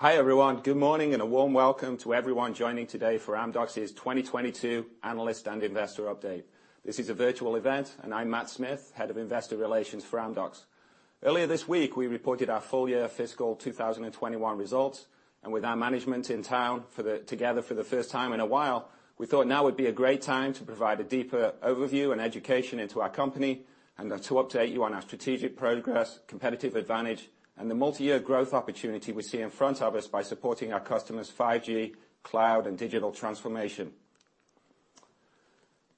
Hi, everyone. Good morning and a warm welcome to everyone joining today for Amdocs's 2022 analyst and investor update. This is a virtual event, and I'm Matt Smith, Head of Investor Relations for Amdocs. Earlier this week, we reported our full year fiscal 2021 results, and with our management in town together for the first time in a while, we thought now would be a great time to provide a deeper overview and education into our company and to update you on our strategic progress, competitive advantage, and the multi-year growth opportunity we see in front of us by supporting our customers' 5G, cloud, and digital transformation.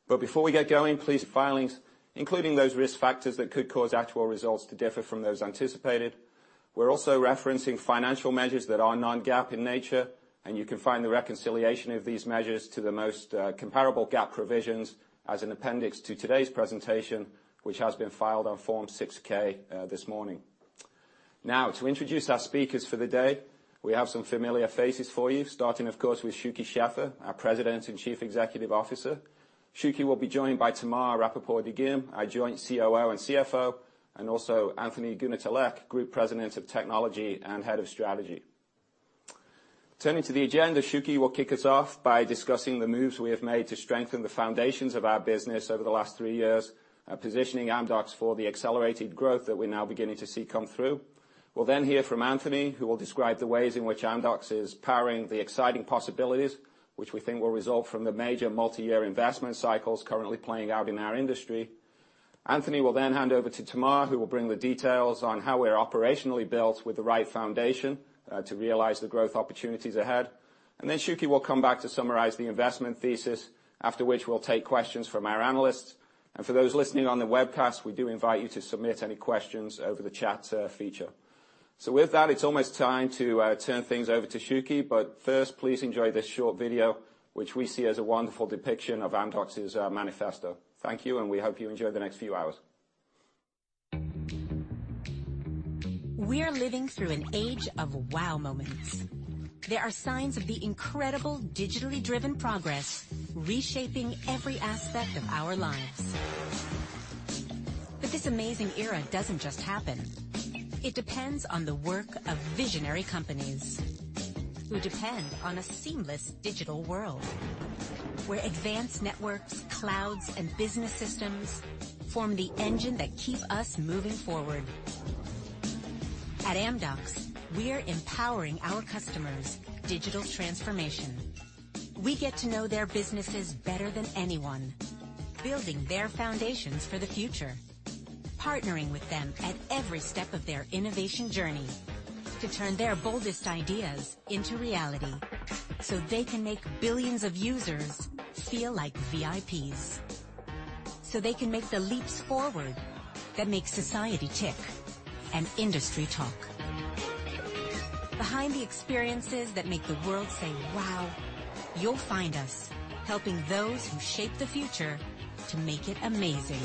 Before we get going, please refer to our filings, including those risk factors that could cause actual results to differ from those anticipated. We're also referencing financial measures that are non-GAAP in nature, and you can find the reconciliation of these measures to the most comparable GAAP provisions as an appendix to today's presentation, which has been filed on Form 6-K this morning. Now, to introduce our speakers for the day, we have some familiar faces for you, starting, of course, with Shuky Sheffer, our President and Chief Executive Officer. Shuky will be joined by Tamar Rapaport-Dagim, our joint COO and CFO, and also Anthony Goonetilleke, Group President of Technology and Head of Strategy. Turning to the agenda, Shuky will kick us off by discussing the moves we have made to strengthen the foundations of our business over the last three years, positioning Amdocs for the accelerated growth that we're now beginning to see come through. We'll then hear from Anthony, who will describe the ways in which Amdocs is powering the exciting possibilities, which we think will result from the major multi-year investment cycles currently playing out in our industry. Anthony will then hand over to Tamar, who will bring the details on how we're operationally built with the right foundation to realize the growth opportunities ahead. Shuky will come back to summarize the investment thesis, after which we'll take questions from our analysts. For those listening on the webcast, we do invite you to submit any questions over the chat feature. With that, it's almost time to turn things over to Shuky. First, please enjoy this short video, which we see as a wonderful depiction of Amdocs's manifesto. Thank you, and we hope you enjoy the next few hours. We are living through an age of wow moments. There are signs of the incredible digitally driven progress reshaping every aspect of our lives. This amazing era doesn't just happen. It depends on the work of visionary companies who depend on a seamless digital world where advanced networks, clouds, and business systems form the engine that keep us moving forward. At Amdocs, we are empowering our customers' digital transformation. We get to know their businesses better than anyone, building their foundations for the future, partnering with them at every step of their innovation journey to turn their boldest ideas into reality so they can make billions of users feel like VIPs, so they can make the leaps forward that make society tick and industry talk. Behind the experiences that make the world say "Wow," you'll find us helping those who shape the future to make it amazing.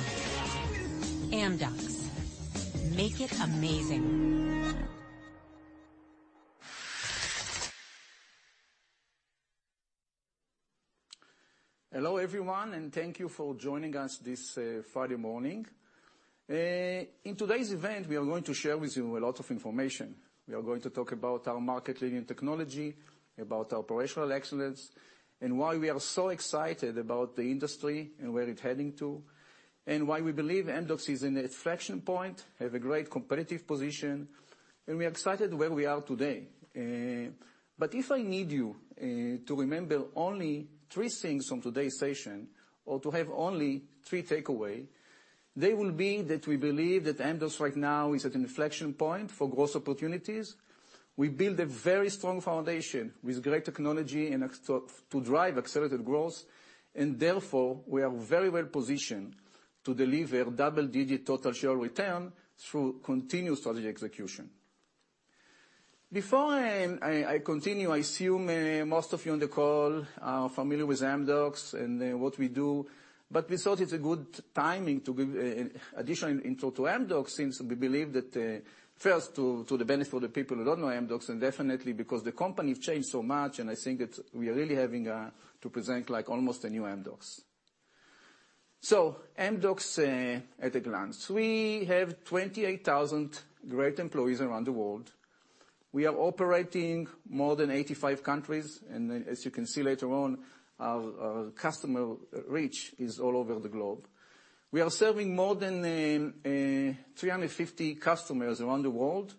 Amdocs, make it amazing. Hello, everyone, and thank you for joining us this Friday morning. In today's event, we are going to share with you a lot of information. We are going to talk about our market-leading technology, about operational excellence, and why we are so excited about the industry and where it's heading to, and why we believe Amdocs is in an inflection point. We have a great competitive position, and we're excited where we are today. If I need you to remember only three things from today's session or to have only three takeaways, they will be that we believe that Amdocs right now is at inflection point for growth opportunities. We have built a very strong foundation with great technology and execution to drive accelerated growth, and therefore, we are very well positioned to deliver double-digit total shareholder return through continuous strategy execution. Before I continue, I assume most of you on the call are familiar with Amdocs and what we do, but we thought it's a good timing to give an additional intro to Amdocs since we believe that first to the benefit of the people who don't know Amdocs, and definitely because the company has changed so much, and I think we are really having to present like almost a new Amdocs. Amdocs at a glance. We have 28,000 great employees around the world. We are operating in more than 85 countries, and then as you can see later on, our customer reach is all over the globe. We are serving more than 350 customers around the world.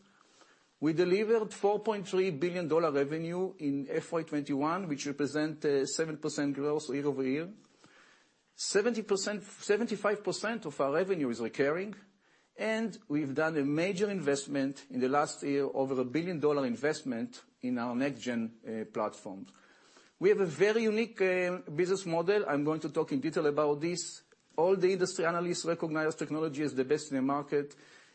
We delivered $4.3 billion revenue in FY 2021, which represents 7% growth year-over-year. 75% of our revenue is recurring, and we've done a major investment in the last year, over a $1 billion investment in our next-gen platform. We have a very unique business model. I'm going to talk in detail about this. All the industry analysts recognize technology as the best in the market,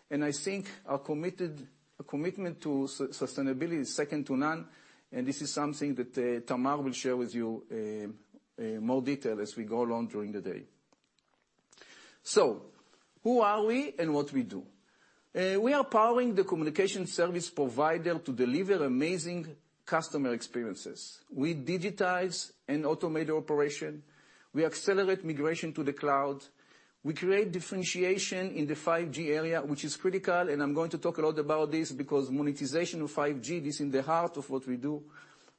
and I think our commitment to sustainability is second to none, and this is something that Tamar will share with you in more detail as we go along during the day. Who are we, and what we do? We are powering the communication service provider to deliver amazing Customer experiences. We digitize and automate operation, we accelerate migration to the cloud, we create differentiation in the 5G area, which is critical, and I'm going to talk a lot about this because monetization of 5G is in the heart of what we do.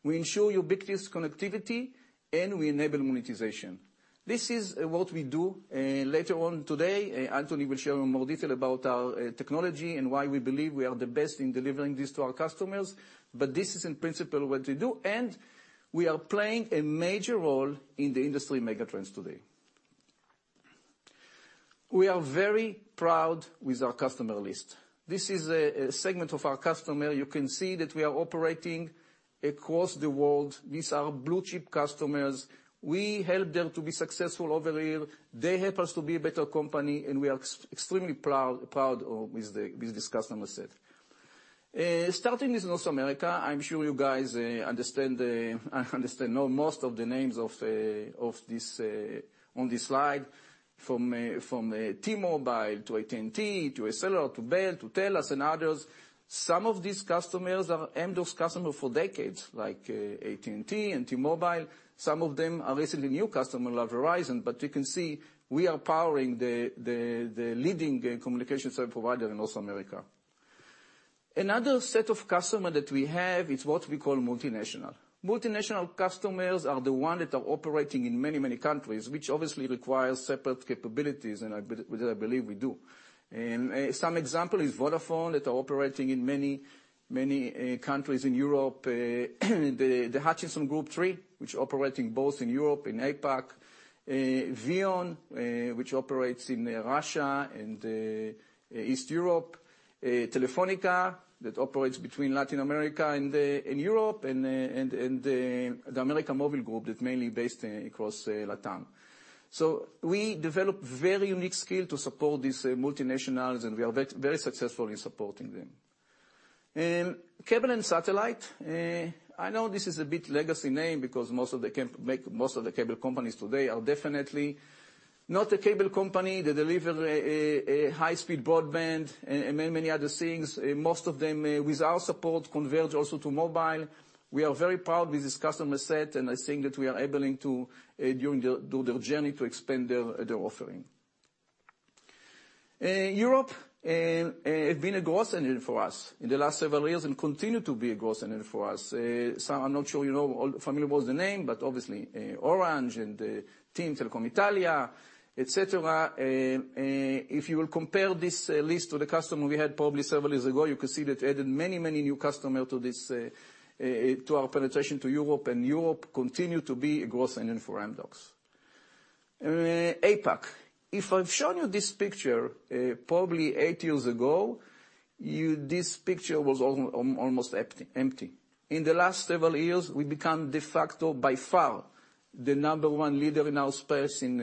We ensure ubiquitous connectivity, and we enable monetization. This is what we do. Later on today, Anthony will share more detail about our technology and why we believe we are the best in delivering this to our customers. This is in principle what we do, and we are playing a major role in the industry mega trends today. We are very proud with our customer list. This is a segment of our customer. You can see that we are operating across the world. These are blue chip customers. We help them to be successful over here. They help us to be a better company, and we are extremely proud of with this customer set. Starting with North America, I'm sure you guys understand most of the names on this slide, from T-Mobile to AT&T, to Axtel, to Bell, to TELUS and others. Some of these customers are Amdocs customers for decades, like AT&T and T-Mobile. Some of them are recently new customer, like Verizon. But you can see we are powering the leading communications service providers in North America. Another set of customers that we have is what we call multinational. Multinational customers are the ones that are operating in many countries, which obviously requires separate capabilities, and I believe we do. Some example is Vodafone that are operating in many countries in Europe. The Hutchison 3 Group, which operating both in Europe, in APAC. VEON, which operates in Russia and Eastern Europe. Telefónica, that operates between Latin America and in Europe, and the América Móvil group, that's mainly based across LatAm. We develop very unique skill to support these multinationals, and we are very successful in supporting them. Cable and satellite. I know this is a bit legacy name because most of the cable companies today are definitely not a cable company. They deliver a high-speed broadband and many other things, most of them with our support converge also to mobile. We are very proud with this customer set, and I think that we are able to, through their journey to expand their offering. Europe have been a growth engine for us in the last several years and continue to be a growth engine for us. Some are not sure, you know, all familiar with the name, but obviously, Orange and, TIM, Telecom Italia, et cetera. If you will compare this list to the customer we had probably several years ago, you can see that added many new customer to this, to our penetration to Europe, and Europe continue to be a growth engine for Amdocs. APAC. If I've shown you this picture probably eight years ago, this picture was almost empty. In the last several years, we become de facto by far the number one leader in our space in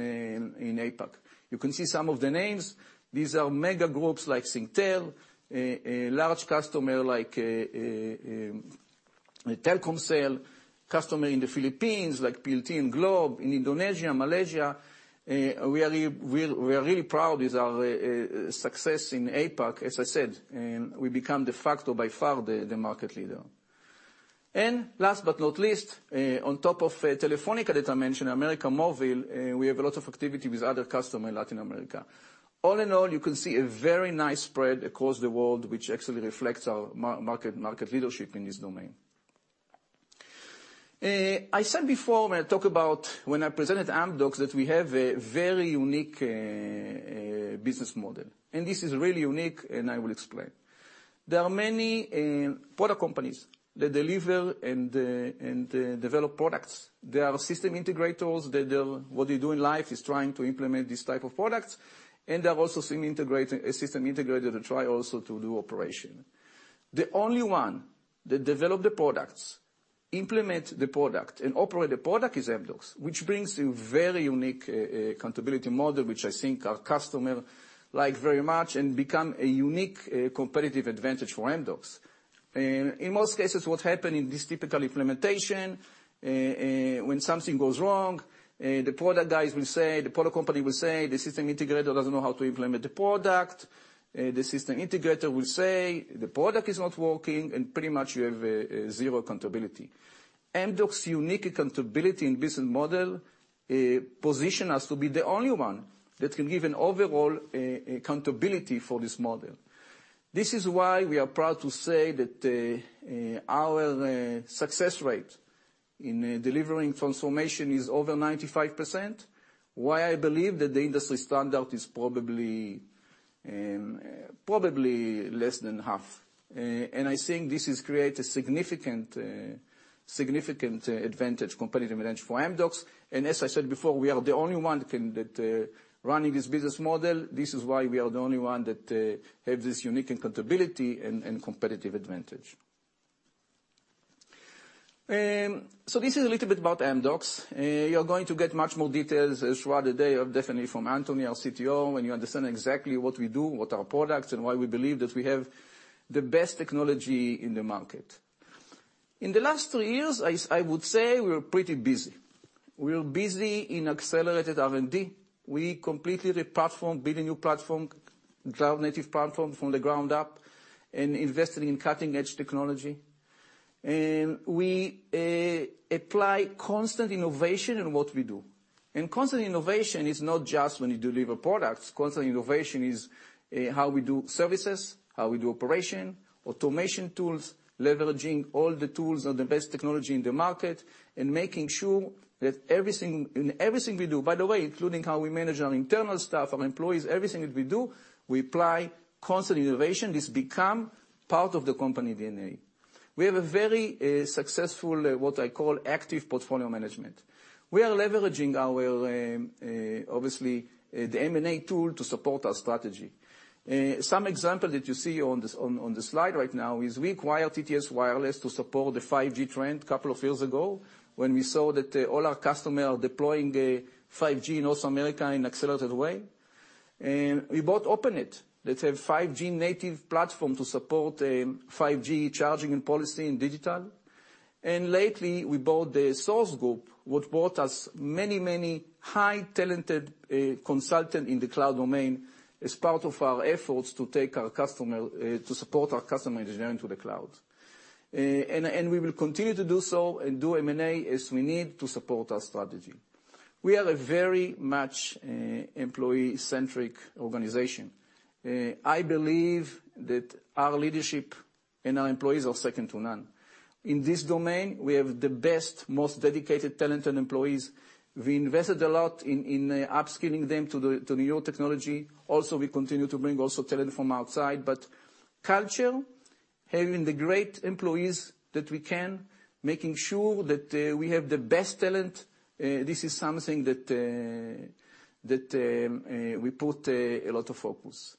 APAC. You can see some of the names. These are mega groups like Singtel, a large customer like Telkomsel, customer in the Philippines like PLDT and Globe, in Indonesia, Malaysia. We are really proud with our success in APAC. As I said, we become de facto by far the market leader. Last but not least, on top of Telefónica that I mentioned, América Móvil, we have a lot of activity with other customer in Latin America. All in all, you can see a very nice spread across the world, which actually reflects our market leadership in this domain. I said before when I talk about. When I presented Amdocs that we have a very unique business model, and this is really unique, and I will explain. There are many product companies that deliver and develop products. There are system integrators that what they do in life is trying to implement these type of products, and there are also some system integrators to try also to do operation. The only one that develop the products, implement the product and operate the product is Amdocs, which brings a very unique accountability model, which I think our customer like very much and become a unique competitive advantage for Amdocs. In most cases, what happens in this typical implementation, when something goes wrong, the product guys will say, the product company will say, "The system integrator doesn't know how to implement the product." The system integrator will say, "The product is not working," and pretty much you have zero accountability. Amdocs unique accountability and business model position us to be the only one that can give an overall accountability for this model. This is why we are proud to say that our success rate in delivering transformation is over 95%, why I believe that the industry standard is probably less than half. I think this has created significant competitive advantage for Amdocs. I said before, we are the only one that can run this business model. This is why we are the only one that has this unique accountability and competitive advantage. This is a little bit about Amdocs. You're going to get much more details throughout the day, definitely from Anthony, our CTO. When you understand exactly what we do, what our products are and why we believe that we have the best technology in the market. In the last three years, I would say we were pretty busy. We were busy in accelerated R&D. We completely re-platformed, built a new platform, cloud-native platform from the ground up, and invested in cutting-edge technology. We apply constant innovation in what we do. Constant innovation is not just when you deliver products. Constant innovation is how we do services, how we do operation, automation tools, leveraging all the tools and the best technology in the market, and making sure that everything, in everything we do, by the way, including how we manage our internal staff, our employees, everything that we do, we apply constant innovation. This becomes part of the company DNA. We have a very successful what I call active portfolio management. We are leveraging, obviously, the M&A tool to support our strategy. Some example that you see on the slide right now is we acquired TTS Wireless to support the 5G trend a couple of years ago, when we saw that all our customers are deploying 5G in North America in an accelerated way. We bought Openet that has 5G-native platform to support 5G charging and policy in digital. Lately, we bought the Sourced Group, which brought us many highly talented consultants in the cloud domain as part of our efforts to support our customer journey to the cloud. We will continue to do so and do M&A as we need to support our strategy. We are a very much employee-centric organization. I believe that our leadership and our employees are second to none. In this domain, we have the best, most dedicated, talented employees. We invested a lot in upskilling them to the new technology. We continue to bring talent from outside. Culture, having the great employees that we can, making sure that we have the best talent, this is something that we put a lot of focus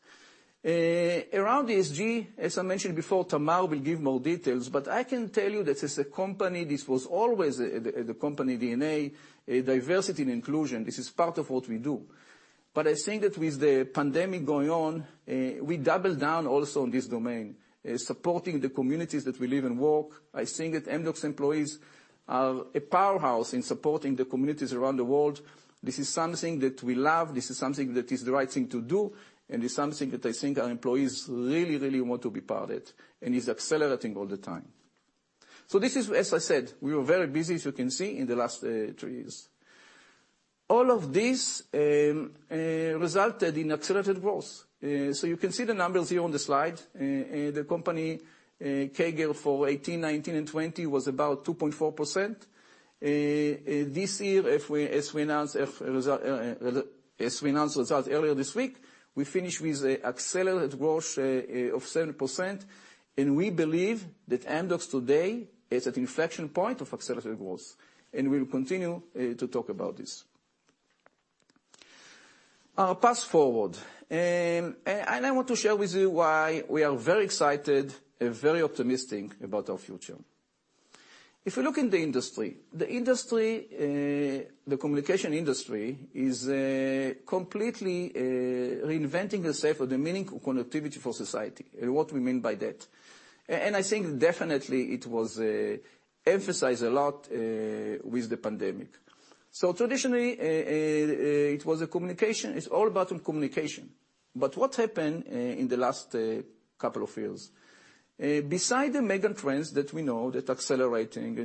around ESG. As I mentioned before, Tamar will give more details, but I can tell you that as a company this was always the company DNA, diversity and inclusion. This is part of what we do. I think that with the pandemic going on, we doubled down also on this domain, supporting the communities that we live and work. I think that Amdocs employees are a powerhouse in supporting the communities around the world. This is something that we love. This is something that is the right thing to do, and it's something that I think our employees really, really want to be part of, and it's accelerating all the time. This is, as I said, we were very busy, as you can see, in the last three years. All of this resulted in accelerated growth. You can see the numbers here on the slide. The company CAGR for 2018, 2019, and 2020 was about 2.4%. This year, as we announced results earlier this week, we finished with accelerated growth of 7%, and we believe that Amdocs today is at inflection point of accelerated growth. We'll continue to talk about this. Fast-forward. I want to share with you why we are very excited and very optimistic about our future. If you look in the industry, the communication industry is completely redefining the meaning of connectivity for society, and what we mean by that. I think definitely it was emphasized a lot with the pandemic. Traditionally, it was communication. It's all about communication. What happened in the last couple of years? Besides the mega trends that we know are accelerating,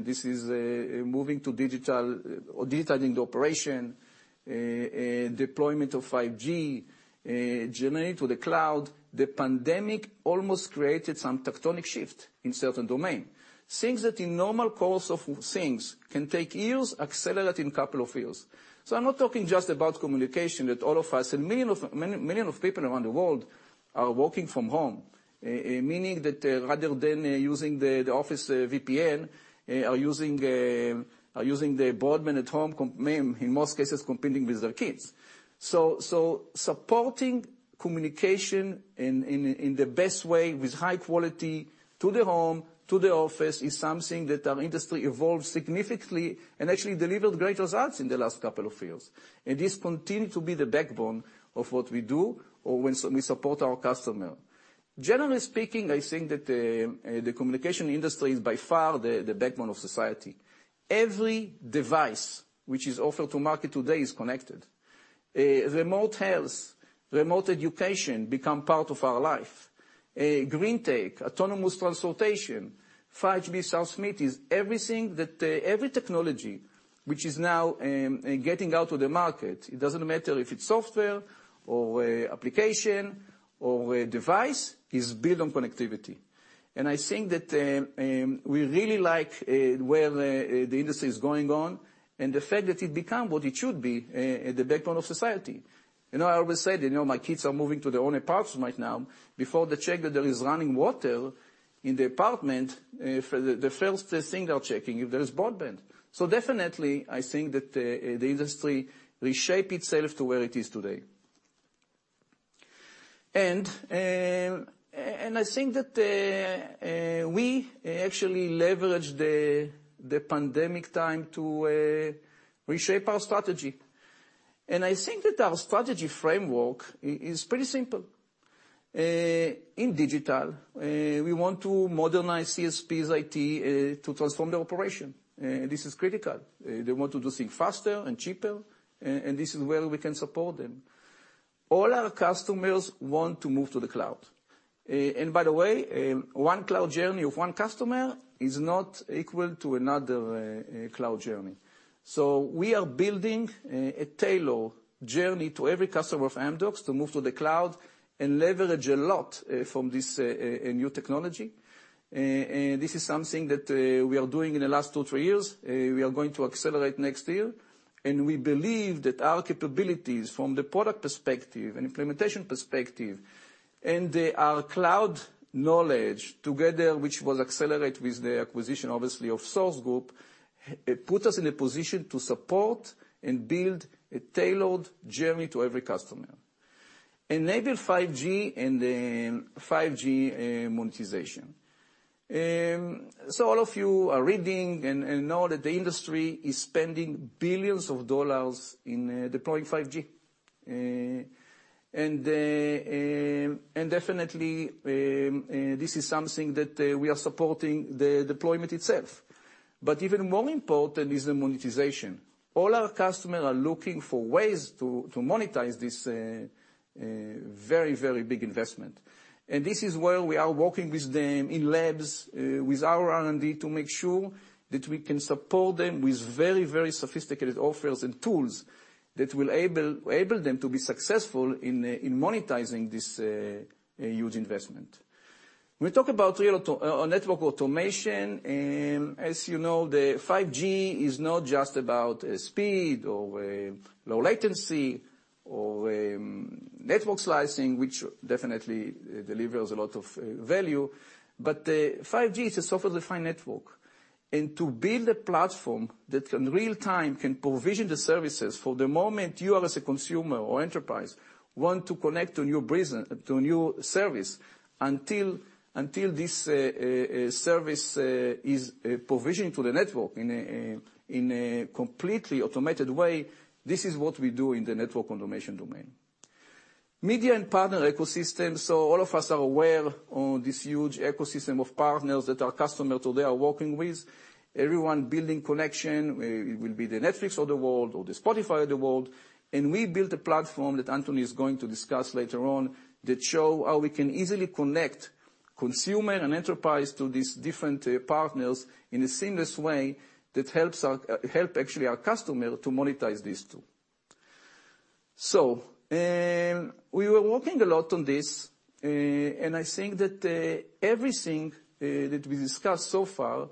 moving to digital or digital transformation, deployment of 5G, migrating to the cloud, the pandemic almost created some tectonic shift in certain domains. Things that in normal course of things can take years to accelerate in a couple of years. I'm not talking just about communication, that all of us and millions of people around the world are working from home. Meaning that rather than using the office VPN, are using the broadband at home, in most cases, competing with their kids. Supporting communication in the best way with high quality to the home, to the office, is something that our industry evolved significantly and actually delivered great results in the last couple of years. This continue to be the backbone of what we do or when we support our customer. Generally speaking, I think that the communication industry is by far the backbone of society. Every device which is offered to market today is connected. Remote health, remote education become part of our life. Green tech, autonomous transportation, 5G substrate is everything that every technology which is now getting out to the market, it doesn't matter if it's software or application or a device, is built on connectivity. I think that we really like where the industry is going on and the fact that it become what it should be at the backbone of society. You know, I always said, you know, my kids are moving to their own apartment right now. Before they check that there is running water in the apartment, the first thing they are checking if there is broadband. Definitely, I think that the industry reshape itself to where it is today. I think that we actually leveraged the pandemic time to reshape our strategy. I think that our strategy framework is pretty simple. In digital, we want to modernize CSPs IT to transform their operation. This is critical. They want to do things faster and cheaper and this is where we can support them. All our customers want to move to the cloud. By the way, one cloud journey of one customer is not equal to another cloud journey. We are building a tailored journey to every customer of Amdocs to move to the cloud and leverage a lot from this new technology. This is something that we are doing in the last two, three years. We are going to accelerate next year. We believe that our capabilities from the product perspective and implementation perspective, and our cloud knowledge together, which will accelerate with the acquisition, obviously, of Sourced Group, put us in a position to support and build a tailored journey to every customer. Enable 5G and then 5G monetization. All of you are reading and know that the industry is spending billions of dollars in deploying 5G. Definitely, this is something that we are supporting the deployment itself. Even more important is the monetization. All our customers are looking for ways to monetize this very big investment. This is where we are working with them in labs with our R&D to make sure that we can support them with very sophisticated offers and tools that will enable them to be successful in monetizing this huge investment. We talk about real network automation. As you know, the 5G is not just about speed or low latency or network slicing, which definitely delivers a lot of value. 5G is a software-defined network. To build a platform that in real time can provision the services for the moment you as a consumer or enterprise want to connect to a new business, to a new service, until this service is provisioned to the network in a completely automated way, this is what we do in the network automation domain. Media and partner ecosystem. All of us are aware of this huge ecosystem of partners that our customers today are working with. Everyone building connection. It will be the Netflix of the world or the Spotify of the world. We built a platform that Anthony is going to discuss later on that shows how we can easily connect consumer and enterprise to these different partners in a seamless way that helps actually our customer to monetize these two. We were working a lot on this, and I think that everything that we discussed so far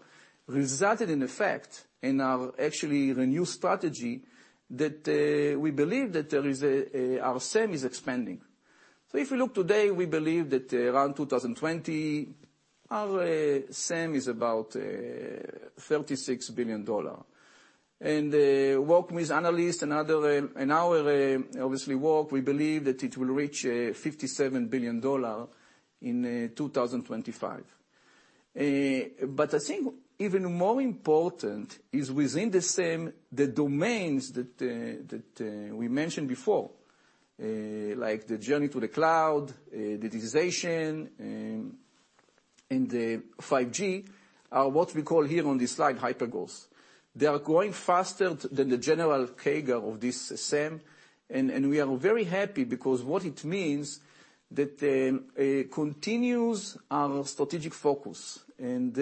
resulted in effect in our actual new strategy that we believe our SAM is expanding. If we look today, we believe that around 2020, our SAM is about $36 billion. Working with analysts and others, and our own work, obviously, we believe that it will reach $57 billion in 2025. I think even more important is within the SAM, the domains that we mentioned before, like the journey to the cloud, digitization, and 5G, are what we call here on this slide hypergrowth. They are growing faster than the general CAGR of this SAM. We are very happy because what it means is that it continues our strategic focus and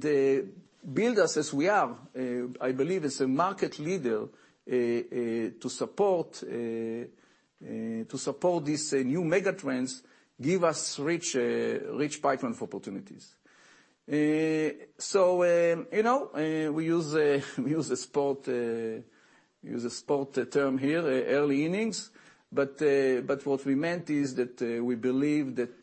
builds us as we are, I believe, as a market leader to support these new megatrends give us a rich pipeline for opportunities. You know, we use a sport term here, early innings, but what we meant is that we believe that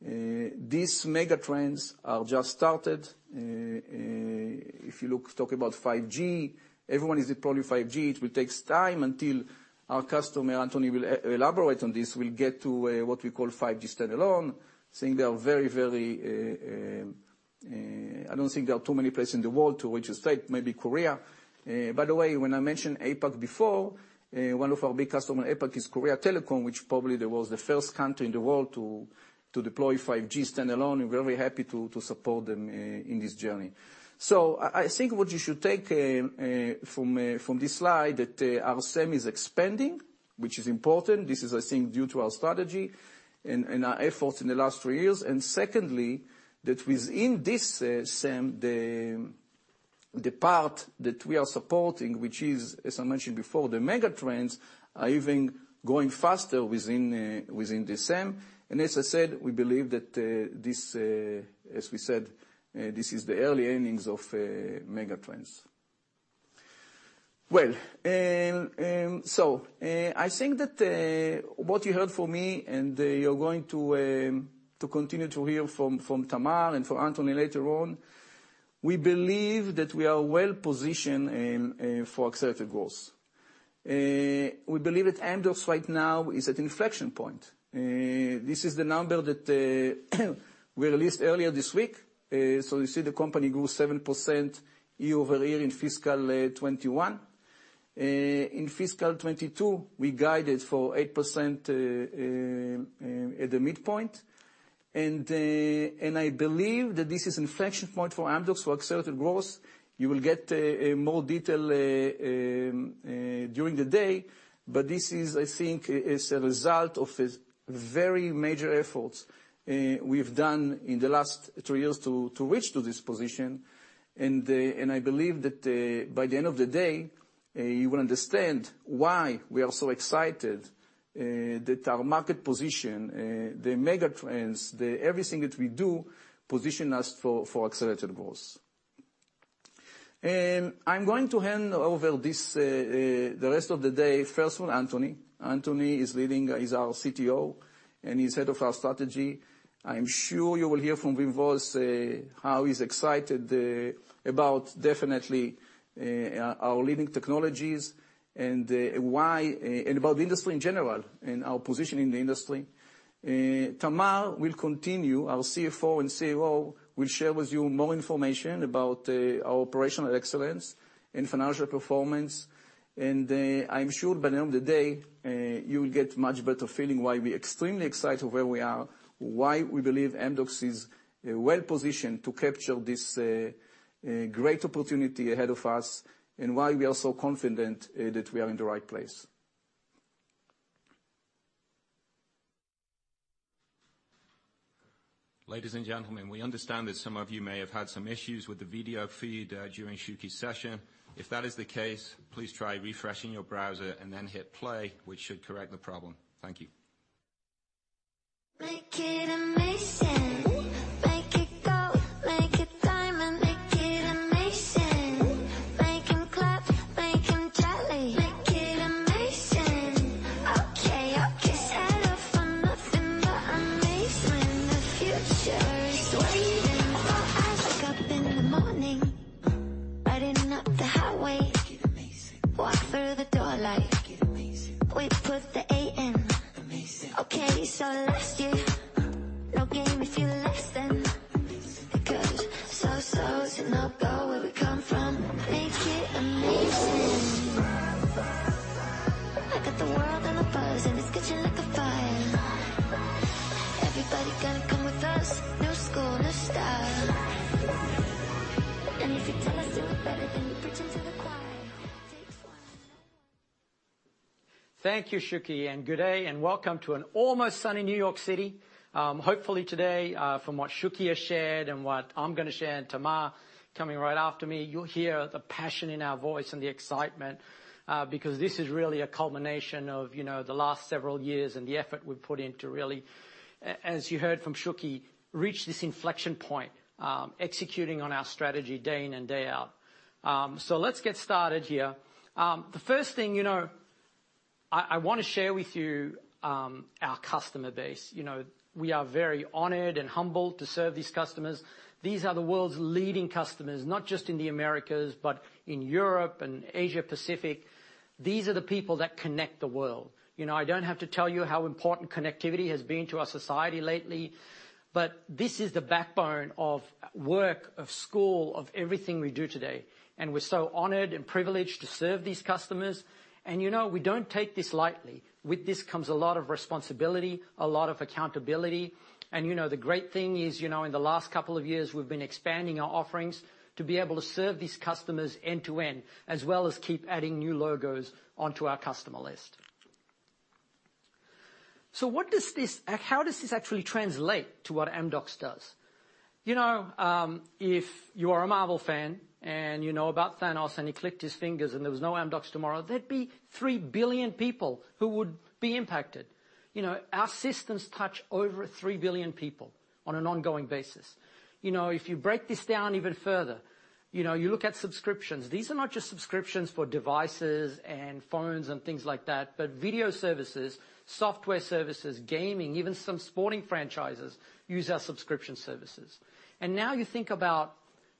these megatrends are just started. If you look at 5G, everyone is deploying 5G. It will takes time until our customer, Anthony, will elaborate on this, will get to what we call 5G standalone. I think there are very, I don't think there are too many places in the world where it is safe, maybe Korea. By the way, when I mentioned APAC before, one of our big customer in APAC is Korea Telecom, which probably was the first country in the world to deploy 5G standalone. We're very happy to support them in this journey. I think what you should take from this slide that our SAM is expanding, which is important. This is, I think, due to our strategy and our efforts in the last three years. Secondly, that within this SAM, the part that we are supporting, which is, as I mentioned before, the megatrends, are even growing faster within the SAM. As I said, we believe that, as we said, this is the early innings of megatrends. I think that what you heard from me, and you're going to continue to hear from Tamar and from Anthony later on, we believe that we are well-positioned for accelerated growth. We believe that Amdocs right now is at inflection point. This is the number that we released earlier this week. You see the company grew 7% year-over-year in fiscal 2021. In fiscal 2022, we guided for 8% at the midpoint. I believe that this is inflection point for Amdocs for accelerated growth. You will get more detail during the day, but this, I think, is a result of the very major efforts we've done in the last three years to reach to this position. I believe that by the end of the day you will understand why we are so excited that our market position, the mega-trends, the everything that we do position us for accelerated growth. I'm going to hand over the rest of the day first to Anthony. Anthony is leading our CTO, and he's Head of our Strategy. I'm sure you will hear from his voice how he's excited about definitely our leading technologies and why and about the industry in general and our position in the industry. Tamar, our CFO and COO, will share with you more information about our operational excellence and financial performance. I'm sure by the end of the day you will get much better feeling why we extremely excited where we are, why we believe Amdocs is well positioned to capture this great opportunity ahead of us, and why we are so confident that we are in the right place. Ladies and gentlemen, we understand that some of you may have had some issues with the video feed during Shuky's session. If that is the case, please try refreshing your browser and then hit play, which should correct the problem. Thank you. Thank you, Shuky, and good day, and welcome to an almost sunny New York City. Hopefully today, from what Shuky has shared and what I'm gonna share, and Tamar coming right after me, you'll hear the passion in our voice and the excitement, because this is really a culmination of, you know, the last several years and the effort we've put in to really, as you heard from Shuky, reach this inflection point, executing on our strategy day in and day out. So let's get started here. The first thing, you know, I wanna share with you, our customer base. You know, we are very honored and humbled to serve these customers. These are the world's leading customers, not just in the Americas, but in Europe and Asia-Pacific. These are the people that connect the world. You know, I don't have to tell you how important connectivity has been to our society lately, but this is the backbone of work, of school, of everything we do today. We're so honored and privileged to serve these customers. You know, we don't take this lightly. With this comes a lot of responsibility, a lot of accountability, and you know, the great thing is, you know, in the last couple of years, we've been expanding our offerings to be able to serve these customers end-to-end, as well as keep adding new logos onto our customer list. What does this actually translate to what Amdocs does? You know, if you are a Marvel fan and you know about Thanos, and he clicked his fingers and there was no Amdocs tomorrow, there'd be 3 billion people who would be impacted. You know, our systems touch over 3 billion people on an ongoing basis. You know, if you break this down even further, you know, you look at subscriptions, these are not just subscriptions for devices and phones and things like that, but video services, software services, gaming, even some sporting franchises use our subscription services. Now you think about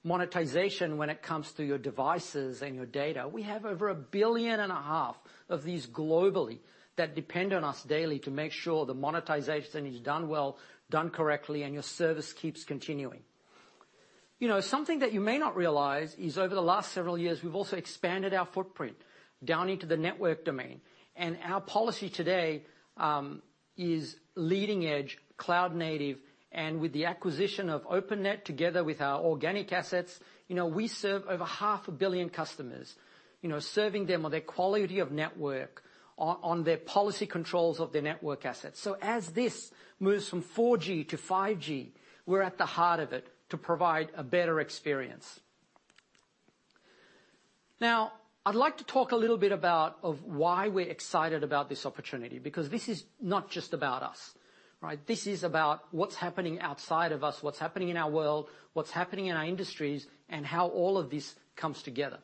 monetization when it comes to your devices and your data, we have over 1.5 billion of these globally that depend on us daily to make sure the monetization is done well, done correctly, and your service keeps continuing. You know, something that you may not realize is over the last several years, we've also expanded our footprint down into the network domain. Our policy today is leading edge, cloud-native, and with the acquisition of Openet, together with our organic assets, you know, we serve over half a billion customers, you know, serving them on their quality of network, on their policy controls of their network assets. As this moves from 4G to 5G, we're at the heart of it to provide a better experience. Now, I'd like to talk a little bit about why we're excited about this opportunity, because this is not just about us, right? This is about what's happening outside of us, what's happening in our world, what's happening in our industries, and how all of this comes together.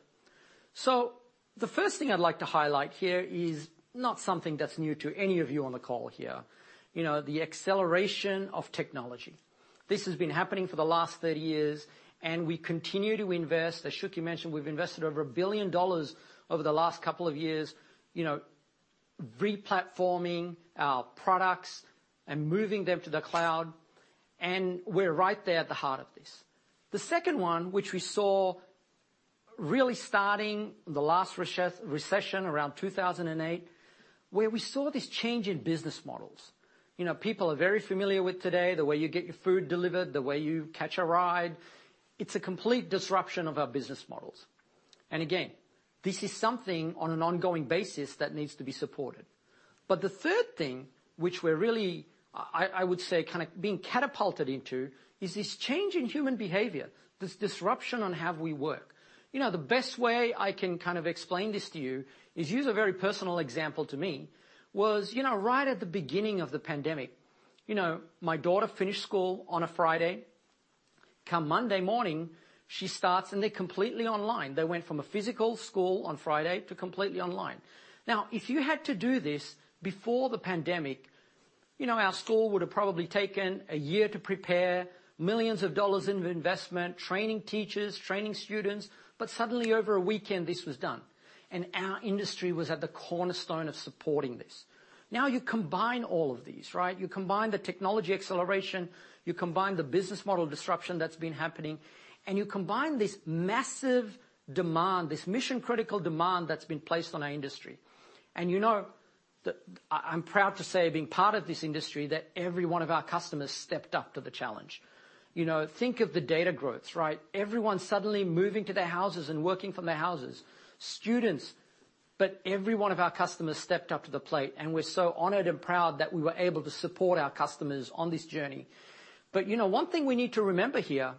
The first thing I'd like to highlight here is not something that's new to any of you on the call here. You know, the acceleration of technology. This has been happening for the last 30 years, and we continue to invest. As Shuky mentioned, we've invested over $1 billion over the last couple of years, you know, replatforming our products and moving them to the cloud, and we're right there at the heart of this. The second one, which we saw really starting the last recession around 2008, where we saw this change in business models. You know, people are very familiar with today, the way you get your food delivered, the way you catch a ride. It's a complete disruption of our business models. Again, this is something on an ongoing basis that needs to be supported. The third thing, which we're really, I would say, kind of being catapulted into, is this change in human behavior, this disruption on how we work. You know, the best way I can kind of explain this to you is use a very personal example to me, was, you know, right at the beginning of the pandemic, you know, my daughter finished school on a Friday. Come Monday morning, she starts and they're completely online. They went from a physical school on Friday to completely online. Now, if you had to do this before the pandemic, you know, our school would have probably taken a year to prepare, millions of dollars of investment, training teachers, training students, but suddenly over a weekend, this was done. Our industry was at the cornerstone of supporting this. Now you combine all of these, right? You combine the technology acceleration, you combine the business model disruption that's been happening, and you combine this massive demand, this mission-critical demand that's been placed on our industry. You know, I'm proud to say, being part of this industry, that every one of our customers stepped up to the challenge. You know, think of the data growth, right? Everyone suddenly moving to their houses and working from their houses. Students. Every one of our customers stepped up to the plate, and we're so honored and proud that we were able to support our customers on this journey. You know, one thing we need to remember here,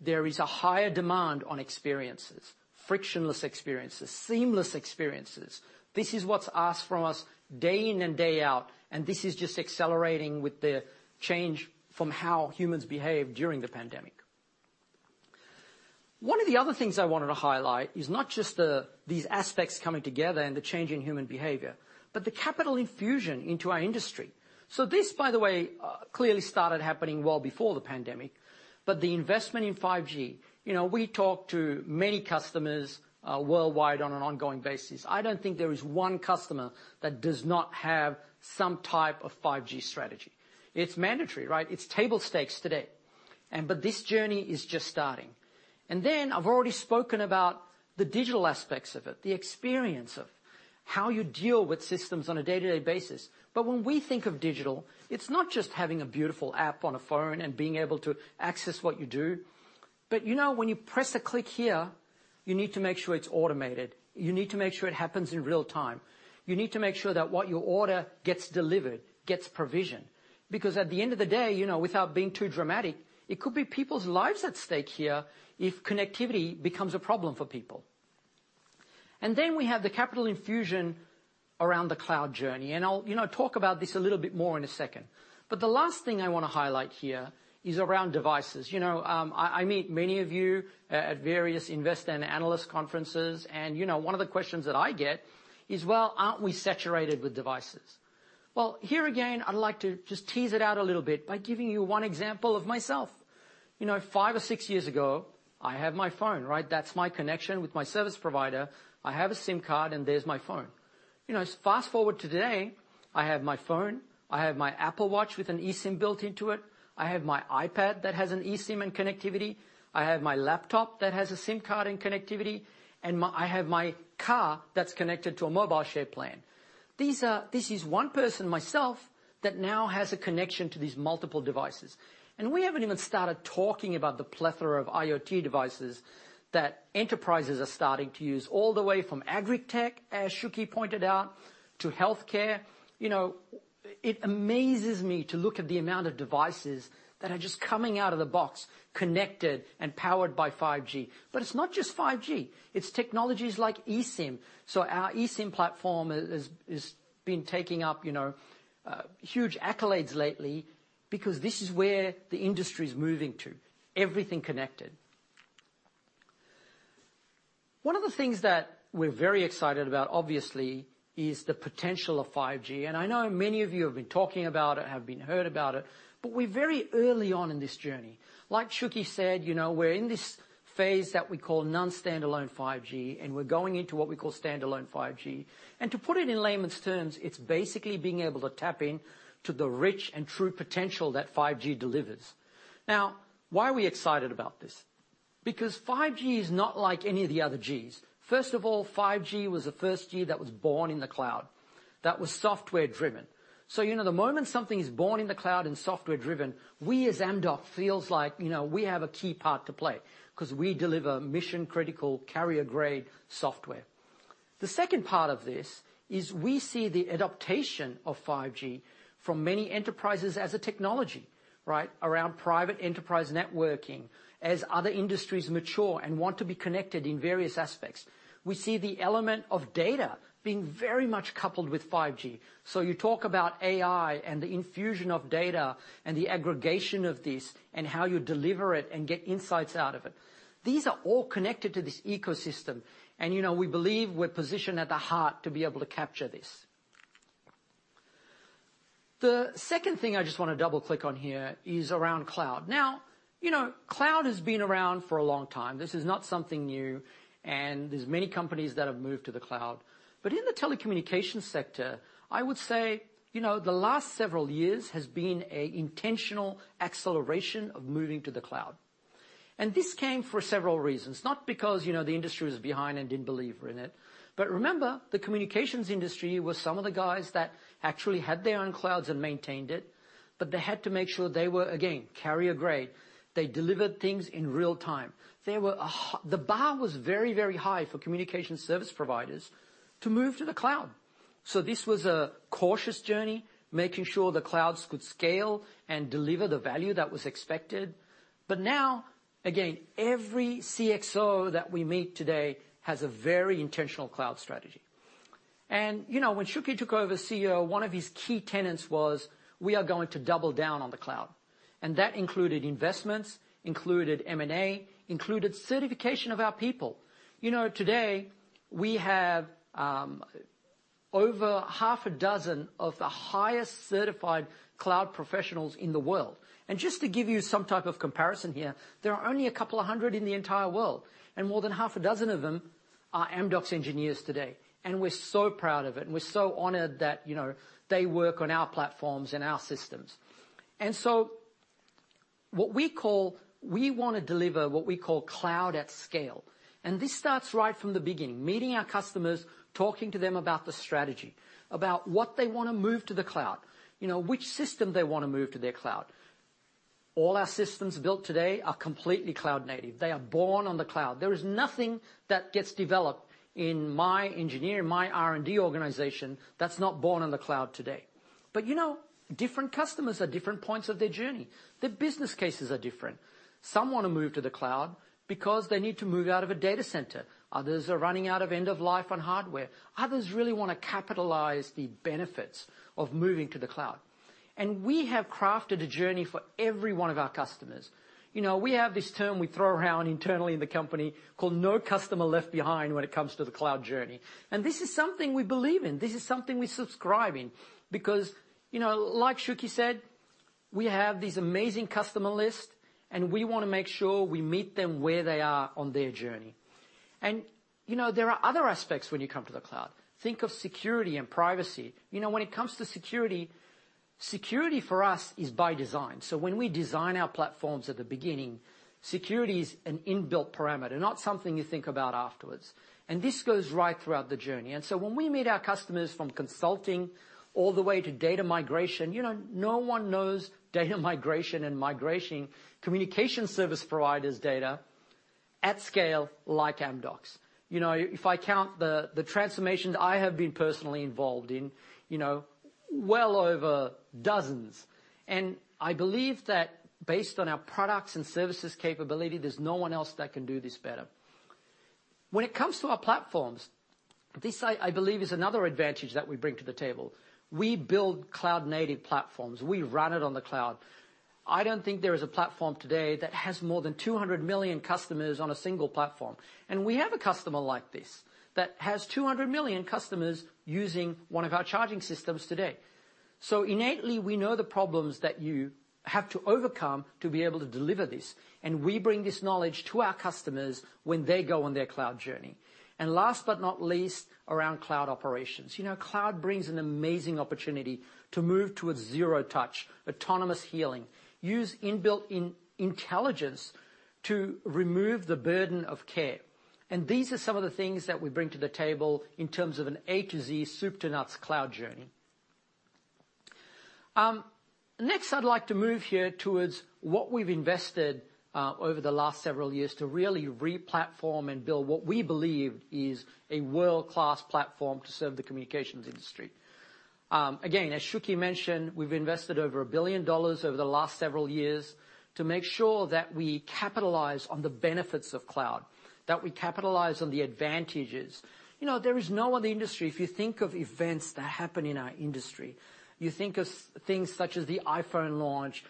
there is a higher demand on experiences, frictionless experiences, seamless experiences. This is what's asked from us day in and day out, and this is just accelerating with the change from how humans behaved during the pandemic. One of the other things I wanted to highlight is not just these aspects coming together and the change in human behavior, but the capital infusion into our industry. This, by the way, clearly started happening well before the pandemic, but the investment in 5G, you know, we talked to many customers, worldwide on an ongoing basis. I don't think there is one customer that does not have some type of 5G strategy. It's mandatory, right? It's table stakes today. This journey is just starting. I've already spoken about the digital aspects of it, the experience of how you deal with systems on a day-to-day basis. When we think of digital, it's not just having a beautiful app on a phone and being able to access what you do. You know, when you press a click here, you need to make sure it's automated. You need to make sure it happens in real-time. You need to make sure that what you order gets delivered, gets provisioned. Because at the end of the day, you know, without being too dramatic, it could be people's lives at stake here if connectivity becomes a problem for people. Then we have the capital infusion around the cloud journey. I'll, you know, talk about this a little bit more in a second. The last thing I wanna highlight here is around devices. You know, I meet many of you at various investor and analyst conferences. You know, one of the questions that I get is, "Well, aren't we saturated with devices?" Well, here again, I'd like to just tease it out a little bit by giving you one example of myself. You know, five or six years ago, I have my phone, right? That's my connection with my service provider. I have a SIM card and there's my phone. You know, fast-forward to today, I have my phone, I have my Apple Watch with an eSIM built into it, I have my iPad that has an eSIM and connectivity, I have my laptop that has a SIM card and connectivity, and my, I have my car that's connected to a mobile share plan. These are, this is one person, myself, that now has a connection to these multiple devices. We haven't even started talking about the plethora of IoT devices that enterprises are starting to use all the way from agritech, as Shuky pointed out, to healthcare. You know, it amazes me to look at the amount of devices that are just coming out of the box connected and powered by 5G. But it's not just 5G, it's technologies like eSIM. Our eSIM platform has been taking up, you know, huge accolades lately because this is where the industry is moving to, everything connected. One of the things that we're very excited about, obviously, is the potential of 5G. I know many of you have been talking about it, have heard about it, but we're very early on in this journey. Like Shuky said, you know, we're in this phase that we call non-standalone 5G, and we're going into what we call standalone 5G. To put it in layman's terms, it's basically being able to tap into the rich and true potential that 5G delivers. Now, why are we excited about this? Because 5G is not like any of the other Gs. First of all, 5G was the first G that was born in the cloud, that was software-driven. You know, the moment something is born in the cloud and software-driven, we as Amdocs feels like, you know, we have a key part to play 'cause we deliver mission-critical carrier grade software. The second part of this is we see the adoption of 5G from many enterprises as a technology, right? Around private enterprise networking, as other industries mature and want to be connected in various aspects. We see the element of data being very much coupled with 5G. You talk about AI and the infusion of data and the aggregation of this and how you deliver it and get insights out of it. These are all connected to this ecosystem. You know, we believe we're positioned at the heart to be able to capture this. The second thing I just wanna double-click on here is around cloud. Now, you know, cloud has been around for a long time. This is not something new, and there's many companies that have moved to the cloud. In the telecommunications sector, I would say, you know, the last several years has been a intentional acceleration of moving to the cloud. This came for several reasons, not because, you know, the industry was behind and didn't believe in it. Remember, the communications industry was some of the guys that actually had their own clouds and maintained it, but they had to make sure they were, again, carrier grade. They delivered things in real time. The bar was very, very high for communication service providers to move to the cloud. This was a cautious journey, making sure the clouds could scale and deliver the value that was expected. Now, again, every CXO that we meet today has a very intentional cloud strategy. You know, when Shuky took over as CEO, one of his key tenets was, we are going to double down on the cloud. That included investments, included M&A, included certification of our people. You know, today we have over half a dozen of the highest certified cloud professionals in the world. Just to give you some type of comparison here, there are only a couple of hundred in the entire world, and more than half a dozen of them are Amdocs engineers today. We're so proud of it, and we're so honored that, you know, they work on our platforms and our systems. We wanna deliver what we call cloud at scale. This starts right from the beginning, meeting our customers, talking to them about the strategy, about what they wanna move to the cloud, you know, which system they wanna move to their cloud. All our systems built today are completely cloud native. They are born on the cloud. There is nothing that gets developed in my engineering, in my R&D organization that's not born on the cloud today. You know, different customers are at different points of their journey. Their business cases are different. Some wanna move to the cloud because they need to move out of a data center. Others are running out of end of life on hardware. Others really wanna capitalize the benefits of moving to the cloud. We have crafted a journey for every one of our customers. You know, we have this term we throw around internally in the company called no customer left behind when it comes to the cloud journey. This is something we believe in. This is something we subscribe in, because, you know, like Shuky said, we have these amazing customer lists, and we wanna make sure we meet them where they are on their journey. You know, there are other aspects when you come to the cloud. Think of security and privacy. You know, when it comes to security for us is by design. When we design our platforms at the beginning, security is an inbuilt parameter, not something you think about afterwards. This goes right throughout the journey. When we meet our customers from consulting all the way to data migration, you know, no one knows data migration and migrating Communications Service Providers' data at scale like Amdocs. You know, if I count the transformations I have been personally involved in, you know, well over dozens, and I believe that based on our products and services capability, there's no one else that can do this better. When it comes to our platforms, this I believe is another advantage that we bring to the table. We build cloud-native platforms. We run it on the cloud. I don't think there is a platform today that has more than 200 million customers on a single platform. We have a customer like this that has 200 million customers using one of our charging systems today. Innately, we know the problems that you have to overcome to be able to deliver this, and we bring this knowledge to our customers when they go on their cloud journey. Last but not least, around cloud operations. You know, cloud brings an amazing opportunity to move to a zero touch, autonomous healing, using built-in intelligence to remove the burden of care. These are some of the things that we bring to the table in terms of an A to Z, soup to nuts cloud journey. Next, I'd like to move here towards what we've invested over the last several years to really re-platform and build what we believe is a world-class platform to serve the communications industry. Again, as Shuky mentioned, we've invested over $1 billion over the last several years to make sure that we capitalize on the benefits of cloud, that we capitalize on the advantages. You know, there is no other industry, if you think of events that happen in our industry, you think of things such as the iPhone launch,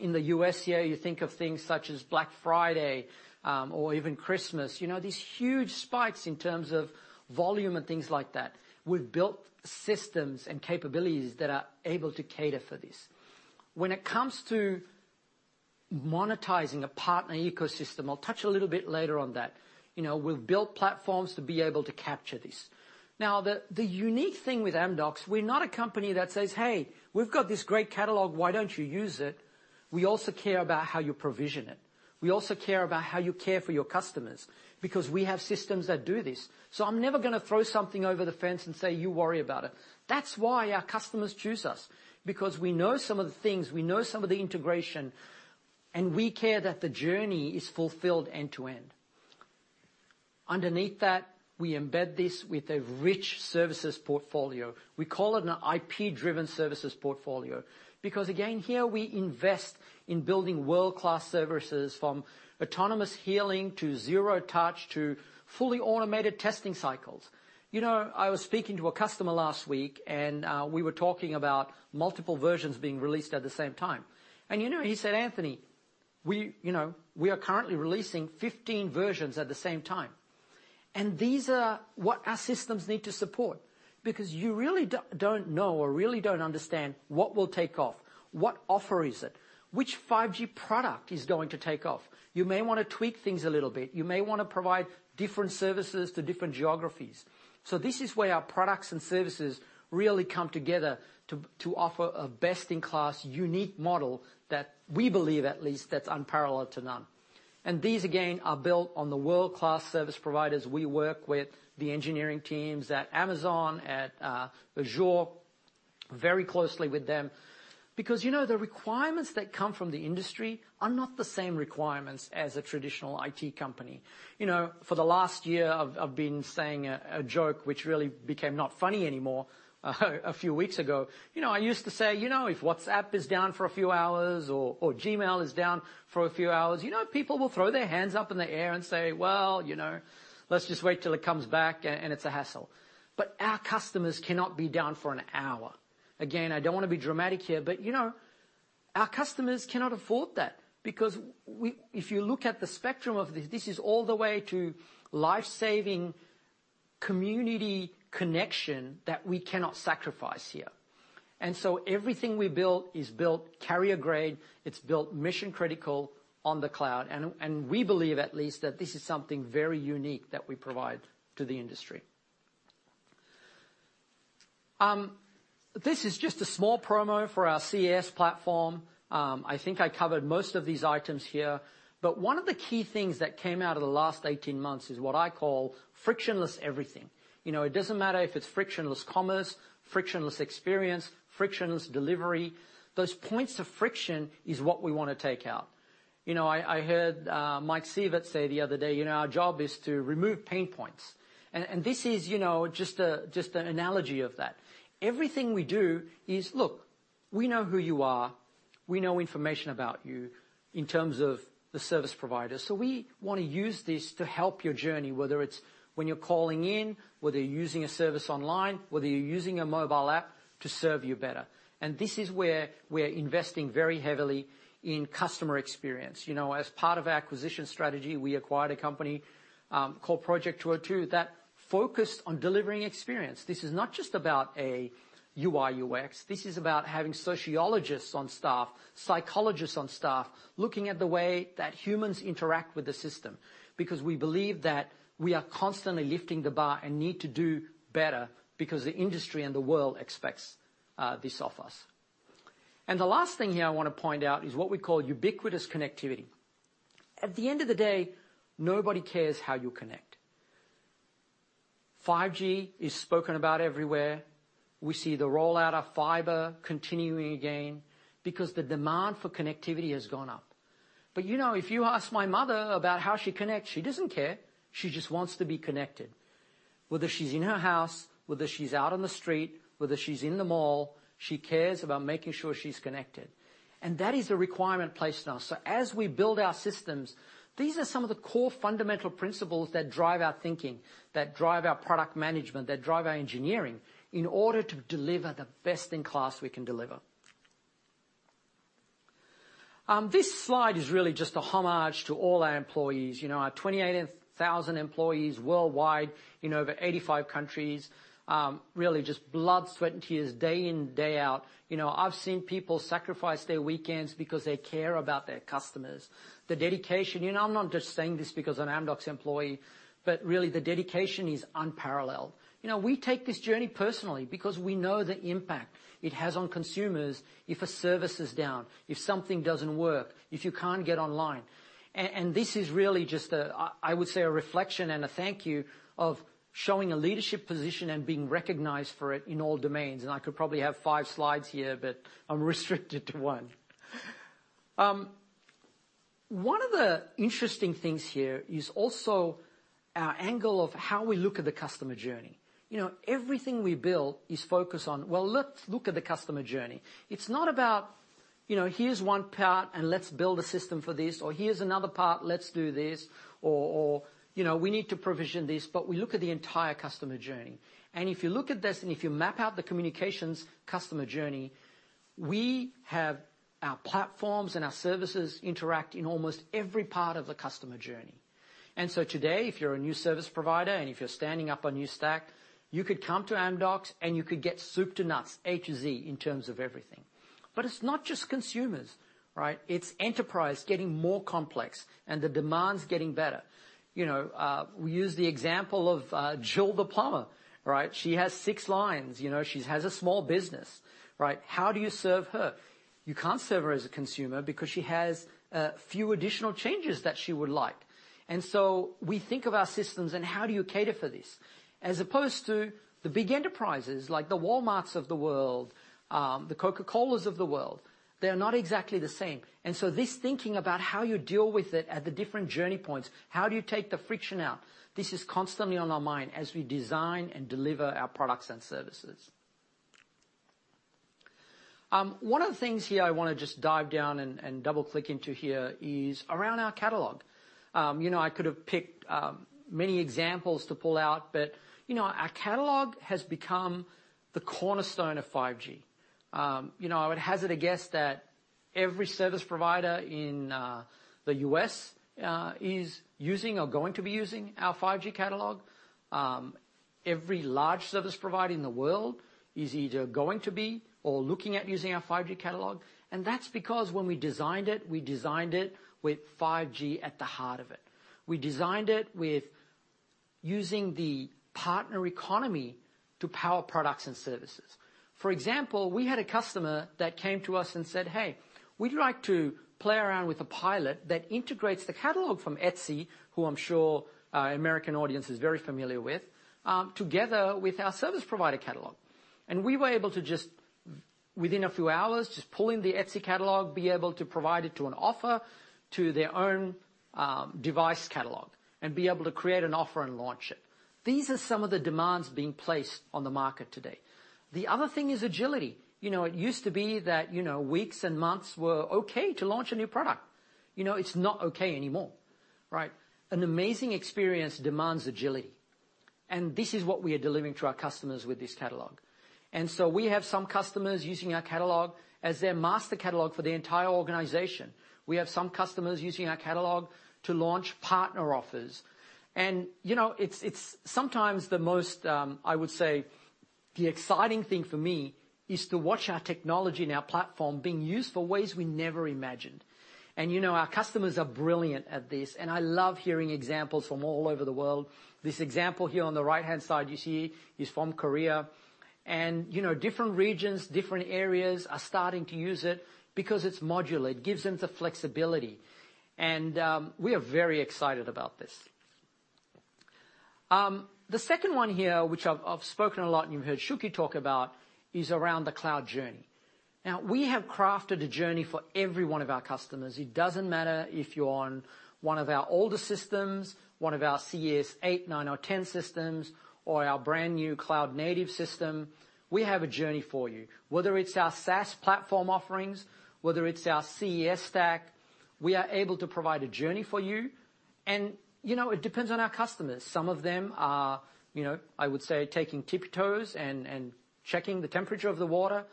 in the U.S. here, you think of things such as Black Friday, or even Christmas, you know, these huge spikes in terms of volume and things like that. We've built systems and capabilities that are able to cater for this. When it comes to monetizing a partner ecosystem, I'll touch a little bit later on that. You know, we've built platforms to be able to capture this. Now, the unique thing with Amdocs, we're not a company that says, "Hey, we've got this great catalog. Why don't you use it?" We also care about how you provision it. We also care about how you care for your customers because we have systems that do this. I'm never gonna throw something over the fence and say, "You worry about it." That's why our customers choose us, because we know some of the things, we know some of the integration, and we care that the journey is fulfilled end to end. Underneath that, we embed this with a rich services portfolio. We call it an IP-driven services portfolio because again, here we invest in building world-class services from autonomous healing to zero touch to fully automated testing cycles. You know, I was speaking to a customer last week and we were talking about multiple versions being released at the same time. You know, he said, "Anthony, we, you know, we are currently releasing 15 versions at the same time." These are what our systems need to support because you really don't know or really don't understand what will take off, what offer is it, which 5G product is going to take off. You may wanna tweak things a little bit. You may wanna provide different services to different geographies. This is where our products and services really come together to offer a best-in-class unique model that we believe at least that's unparalleled to none. These again are built on the world-class service providers we work with, the engineering teams at Amazon, at Azure, very closely with them. Because, you know, the requirements that come from the industry are not the same requirements as a traditional IT company. You know, for the last year I've been saying a joke which really became not funny anymore a few weeks ago. You know, I used to say, "You know, if WhatsApp is down for a few hours or Gmail is down for a few hours, you know, people will throw their hands up in the air and say, 'Well, you know, let's just wait till it comes back,' and it's a hassle." But our customers cannot be down for an hour. Again, I don't wanna be dramatic here, but, you know, our customers cannot afford that because if you look at the spectrum of this, is all the way to life-saving community connection that we cannot sacrifice here. Everything we build is built carrier grade, it's built mission critical on the cloud, and we believe at least that this is something very unique that we provide to the industry. This is just a small promo for our CES platform. I think I covered most of these items here. One of the key things that came out of the last 18 months is what I call frictionless everything. You know, it doesn't matter if it's frictionless commerce, frictionless experience, frictionless delivery. Those points of friction is what we wanna take out. You know, I heard Mike Sievert say the other day, "You know, our job is to remove pain points." This is, you know, just an analogy of that. Everything we do is look, we know who you are, we know information about you in terms of the service provider, so we wanna use this to help your journey, whether it's when you're calling in, whether you're using a service online, whether you're using a mobile app to serve you better. This is where we're investing very heavily in customer experience. You know, as part of our acquisition strategy, we acquired a company called projekt202 that focused on delivering experience. This is not just about a UI/UX, this is about having sociologists on staff, psychologists on staff, looking at the way that humans interact with the system, because we believe that we are constantly lifting the bar and need to do better because the industry and the world expects this of us. The last thing here I wanna point out is what we call ubiquitous connectivity. At the end of the day, nobody cares how you connect. 5G is spoken about everywhere. We see the rollout of fiber continuing again because the demand for connectivity has gone up. You know, if you ask my mother about how she connects, she doesn't care. She just wants to be connected. Whether she's in her house, whether she's out on the street, whether she's in the mall, she cares about making sure she's connected. That is a requirement placed on us. As we build our systems, these are some of the core fundamental principles that drive our thinking, that drive our product management, that drive our engineering, in order to deliver the best-in-class we can deliver. This slide is really just a homage to all our employees. You know, our 28,000 employees worldwide in over 85 countries really just blood, sweat, and tears day in, day out. You know, I've seen people sacrifice their weekends because they care about their customers. The dedication. You know, I'm not just saying this because I'm an Amdocs employee, but really the dedication is unparalleled. You know, we take this journey personally because we know the impact it has on consumers if a service is down, if something doesn't work, if you can't get online. And this is really just a, I would say, a reflection and a thank you of showing a leadership position and being recognized for it in all domains. I could probably have five slides here, but I'm restricted to one. One of the interesting things here is also our angle of how we look at the customer journey. You know, everything we build is focused on, well, let's look at the customer journey. It's not about, you know, here's one part and let's build a system for this, or here's another part, let's do this, or, you know, we need to provision this, but we look at the entire customer journey. If you look at this and if you map out the communications customer journey, we have our platforms and our services interact in almost every part of the customer journey. Today, if you're a new service provider and if you're standing up a new stack, you could come to Amdocs and you could get soup to nuts, A to Z, in terms of everything. It's not just consumers, right? It's enterprise getting more complex and the demands getting better. You know, we use the example of Jill the plumber, right? She has six lines, you know, she has a small business, right? How do you serve her? You can't serve her as a consumer because she has a few additional changes that she would like. We think of our systems and how do you cater for this, as opposed to the big enterprises like the Walmarts of the world, the Coca-Colas of the world. They're not exactly the same. This thinking about how you deal with it at the different journey points, how do you take the friction out? This is constantly on our mind as we design and deliver our products and services. One of the things here I wanna just dive down and double-click into here is around our catalog. You know, I could have picked many examples to pull out, but you know, our catalog has become the cornerstone of 5G. You know, I would hazard a guess that every service provider in the U.S. is using or going to be using our 5G catalog. Every large service provider in the world is either going to be or looking at using our 5G catalog. That's because when we designed it, we designed it with 5G at the heart of it. We designed it with using the partner economy to power products and services. For example, we had a customer that came to us and said, "Hey, we'd like to play around with a pilot that integrates the catalog from Etsy," who I'm sure our American audience is very familiar with, together with our service provider catalog. We were able to just, within a few hours, just pull in the Etsy catalog, be able to provide it to an offer, to their own, device catalog, and be able to create an offer and launch it. These are some of the demands being placed on the market today. The other thing is agility. You know, it used to be that, you know, weeks and months were okay to launch a new product. You know, it's not okay anymore, right? An amazing experience demands agility, and this is what we are delivering to our customers with this catalog. We have some customers using our catalog as their master catalog for the entire organization. We have some customers using our catalog to launch partner offers. You know, it's sometimes the most, I would say, the exciting thing for me is to watch our technology and our platform being used for ways we never imagined. You know, our customers are brilliant at this, and I love hearing examples from all over the world. This example here on the right-hand side you see is from Korea. You know, different regions, different areas are starting to use it because it's modular. It gives them the flexibility. We are very excited about this. The second one here, which I've spoken a lot and you've heard Shuky talk about, is around the cloud journey. Now, we have crafted a journey for every one of our customers. It doesn't matter if you're on one of our older systems, one of our CES 8, 9 or 10 systems, or our brand-new cloud-native system, we have a journey for you. Whether it's our SaaS platform offerings, whether it's our CES stack, we are able to provide a journey for you. You know, it depends on our customers. Some of them are, you know, I would say, dipping their toes and checking the temperature of the water.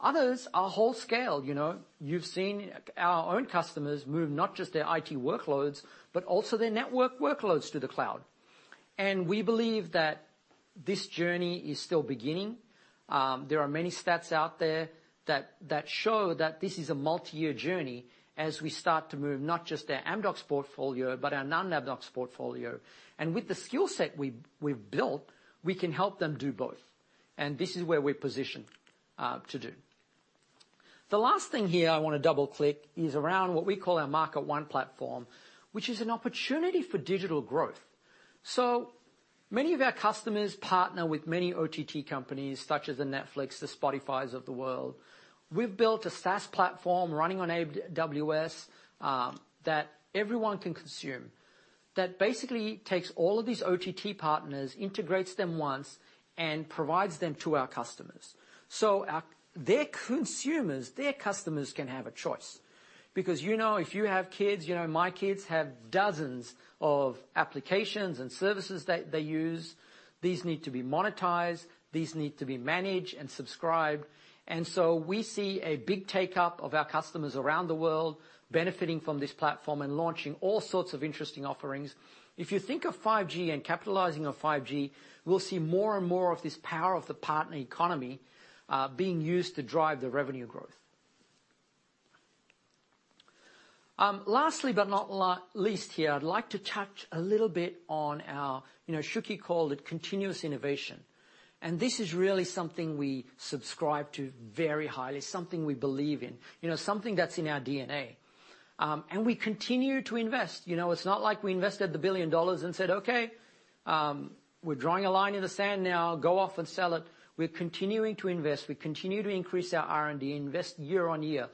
Others are full scale, you know. You've seen our own customers move not just their IT workloads, but also their network workloads to the cloud. We believe that this journey is still beginning. There are many stats out there that show that this is a multiyear journey as we start to move not just our Amdocs portfolio, but our non-Amdocs portfolio. With the skill set we've built, we can help them do both. This is where we're positioned to do. The last thing here I wanna double-click is around what we call our MarketONE platform, which is an opportunity for digital growth. Many of our customers partner with many OTT companies such as Netflix, the Spotifys of the world. We've built a SaaS platform running on AWS that everyone can consume, that basically takes all of these OTT partners, integrates them once, and provides them to our customers. Their consumers, their customers can have a choice. Because, you know, if you have kids, you know, my kids have dozens of applications and services that they use. These need to be monetized. These need to be managed and subscribed. We see a big take-up of our customers around the world benefiting from this platform and launching all sorts of interesting offerings. If you think of 5G and capitalizing on 5G, we'll see more and more of this power of the partner economy being used to drive the revenue growth. Lastly, but not least here, I'd like to touch a little bit on our, you know, Shuky called it continuous innovation. This is really something we subscribe to very highly, something we believe in, you know, something that's in our DNA. We continue to invest. You know, it's not like we invested $1 billion and said, "Okay, we're drawing a line in the sand now. Go off and sell it." We're continuing to invest. We continue to increase our R&D, invest year on year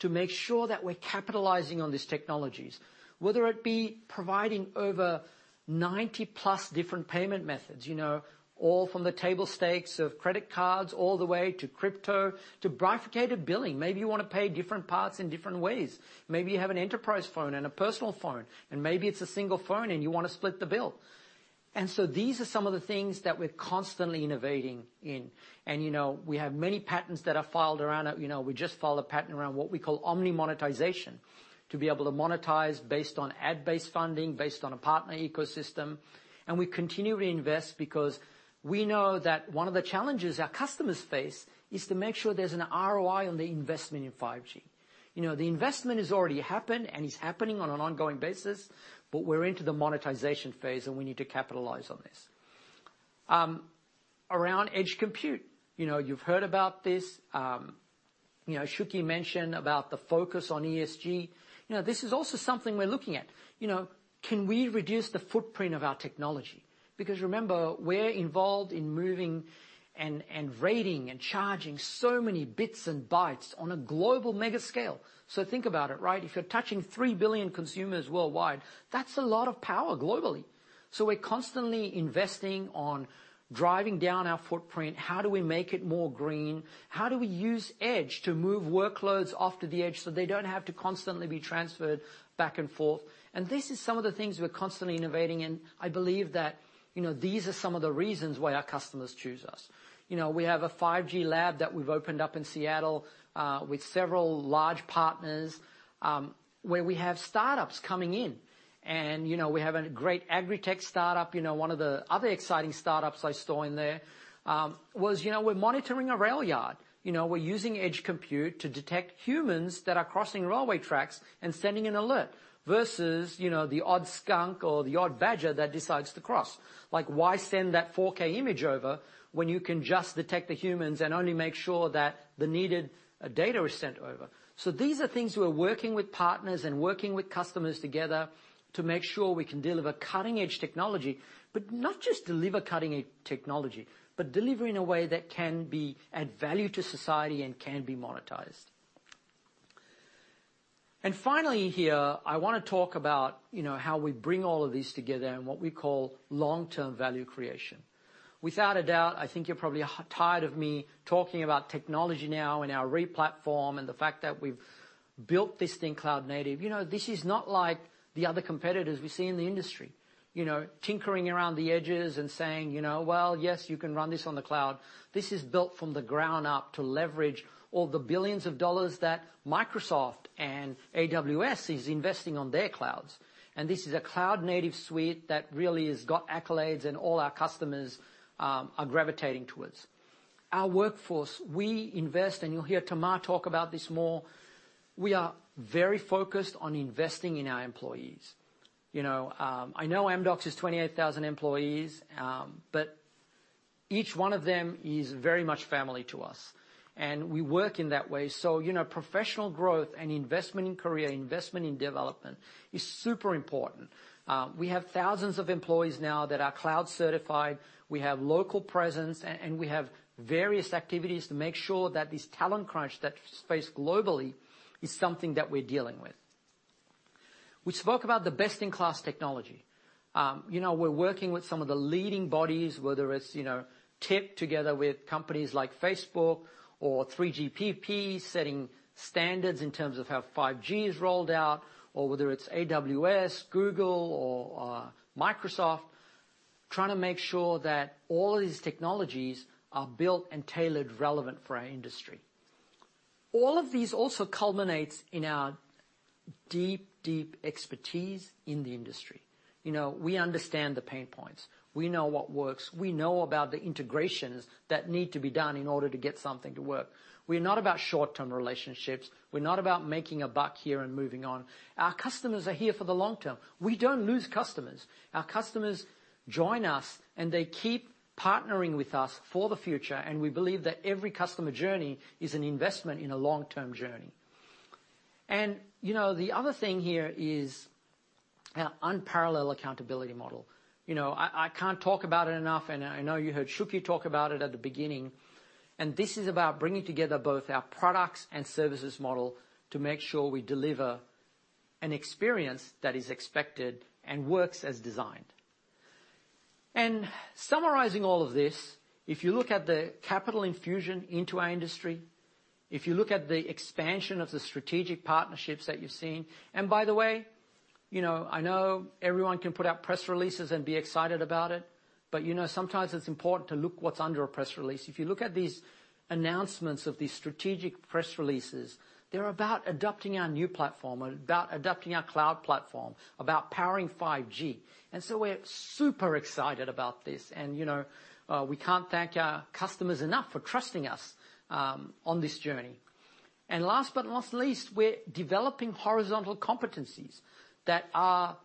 to make sure that we're capitalizing on these technologies, whether it be providing over 90-plus different payment methods, you know, all from the table stakes of credit cards, all the way to crypto to bifurcated billing. Maybe you wanna pay different parts in different ways. Maybe you have an enterprise phone and a personal phone, and maybe it's a single phone and you wanna split the bill. These are some of the things that we're constantly innovating in. You know, we have many patents that are filed around it. You know, we just filed a patent around what we call omni-monetization, to be able to monetize based on ad-based funding, based on a partner ecosystem. We continually invest because we know that one of the challenges our customers face is to make sure there's an ROI on the investment in 5G. You know, the investment has already happened and is happening on an ongoing basis, but we're into the monetization phase, and we need to capitalize on this. Around edge compute, you know, you've heard about this. You know, Shuky mentioned about the focus on ESG. You know, this is also something we're looking at. You know, can we reduce the footprint of our technology? Because remember, we're involved in moving and rating and charging so many bits and bytes on a global mega scale. Think about it, right? If you're touching 3 billion consumers worldwide, that's a lot of power globally. We're constantly investing on driving down our footprint, how do we make it more green? How do we use edge to move workloads off to the edge, so they don't have to constantly be transferred back and forth? This is some of the things we're constantly innovating in. I believe that, you know, these are some of the reasons why our customers choose us. You know, we have a 5G lab that we've opened up in Seattle with several large partners, where we have startups coming in and, you know, we have a great agri-tech startup. You know, one of the other exciting startups I saw in there was, you know, we're monitoring a railyard. You know, we're using edge compute to detect humans that are crossing railway tracks and sending an alert versus, you know, the odd skunk or the odd badger that decides to cross. Like, why send that 4K image over when you can just detect the humans and only make sure that the needed data is sent over? These are things we are working with partners and working with customers together to make sure we can deliver cutting-edge technology, but not just deliver cutting-edge technology, but deliver in a way that can add value to society and can be monetized. Finally here, I wanna talk about, you know, how we bring all of these together and what we call long-term value creation. Without a doubt, I think you're probably tired of me talking about technology now and our re-platform, and the fact that we've built this thing cloud-native. You know, this is not like the other competitors we see in the industry. You know, tinkering around the edges and saying, "You know, well, yes, you can run this on the cloud." This is built from the ground up to leverage all the billions of dollars that Microsoft and AWS is investing on their clouds, and this is a cloud native suite that really has got accolades and all our customers are gravitating towards. Our workforce, we invest, and you'll hear Tamar talk about this more. We are very focused on investing in our employees. You know, I know Amdocs is 28,000 employees, but each one of them is very much family to us, and we work in that way. You know, professional growth and investment in career, investment in development is super important. We have thousands of employees now that are cloud certified. We have local presence and we have various activities to make sure that this talent crunch that's faced globally is something that we're dealing with. We spoke about the best-in-class technology. You know, we're working with some of the leading bodies, whether it's, you know, TIP together with companies like Facebook or 3GPP, setting standards in terms of how 5G is rolled out, or whether it's AWS, Google, or Microsoft, trying to make sure that all of these technologies are built and tailored relevant for our industry. All of these also culminates in our deep, deep expertise in the industry. You know, we understand the pain points. We know what works. We know about the integrations that need to be done in order to get something to work. We're not about short-term relationships. We're not about making a buck here and moving on. Our customers are here for the long term. We don't lose customers. Our customers join us, and they keep partnering with us for the future, and we believe that every customer journey is an investment in a long-term journey. You know, the other thing here is our unparalleled accountability model. You know, I can't talk about it enough, and I know you heard Shuky talk about it at the beginning, and this is about bringing together both our products and services model to make sure we deliver an experience that is expected and works as designed. Summarizing all of this, if you look at the capital infusion into our industry, if you look at the expansion of the strategic partnerships that you're seeing. By the way, you know, I know everyone can put out press releases and be excited about it, but you know, sometimes it's important to look what's under a press release. If you look at these announcements of these strategic press releases, they're about adopting our new platform, about adopting our cloud platform, about powering 5G. We're super excited about this and, you know, we can't thank our customers enough for trusting us on this journey. Last but not least, we're developing horizontal competencies that are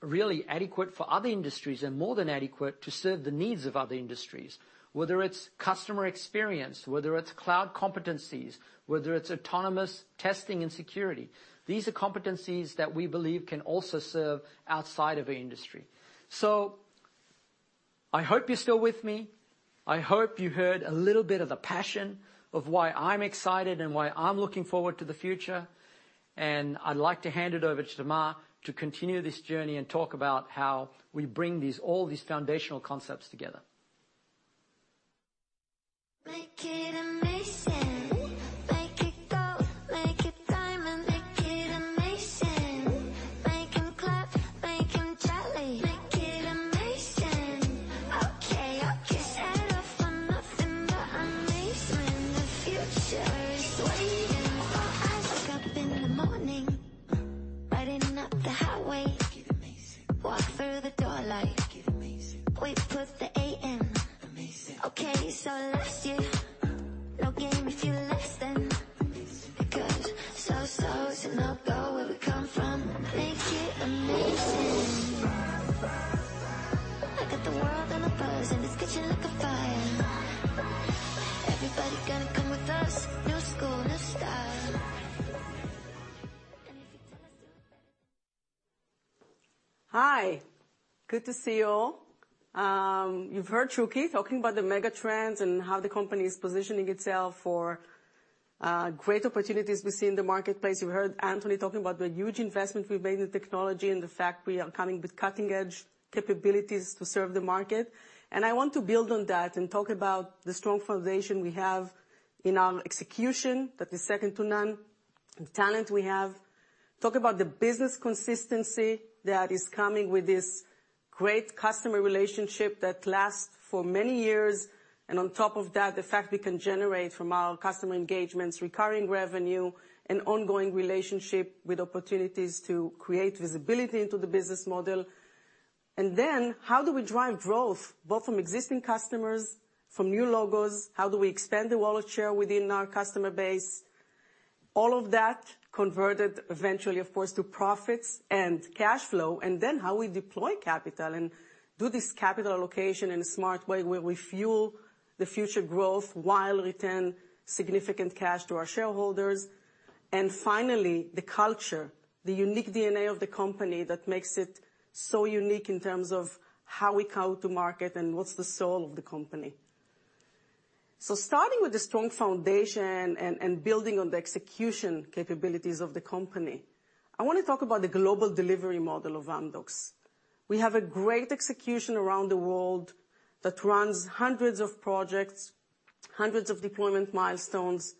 really adequate for other industries and more than adequate to serve the needs of other industries, whether it's customer experience, whether it's cloud competencies, whether it's autonomous testing and security. These are competencies that we believe can also serve outside of our industry. I hope you're still with me. I hope you heard a little bit of the passion of why I'm excited and why I'm looking forward to the future, and I'd like to hand it over to Tamar to continue this journey and talk about how we bring these, all these foundational concepts together. Hi, good to see you all. You've heard Shuky talking about the mega trends and how the company is positioning itself for Great opportunities we see in the marketplace. You heard Anthony talking about the huge investment we made in technology and the fact we are coming with cutting edge capabilities to serve the market. I want to build on that and talk about the strong foundation we have in our execution that is second to none, the talent we have, talk about the business consistency that is coming with this great customer relationship that lasts for many years. On top of that, the fact we can generate from our customer engagements recurring revenue and ongoing relationship with opportunities to create visibility into the business model. Then how do we drive growth, both from existing customers, from new logos? How do we expand the wallet share within our customer base? All of that converted eventually, of course, to profits and cash flow, and then how we deploy capital and do this capital allocation in a smart way where we fuel the future growth while return significant cash to our shareholders. Finally, the culture, the unique DNA of the company that makes it so unique in terms of how we go to market and what's the soul of the company. Starting with the strong foundation and building on the execution capabilities of the company, I wanna talk about the global delivery model of Amdocs. We have a great execution around the world that runs hundreds of projects, hundreds of deployment milestones,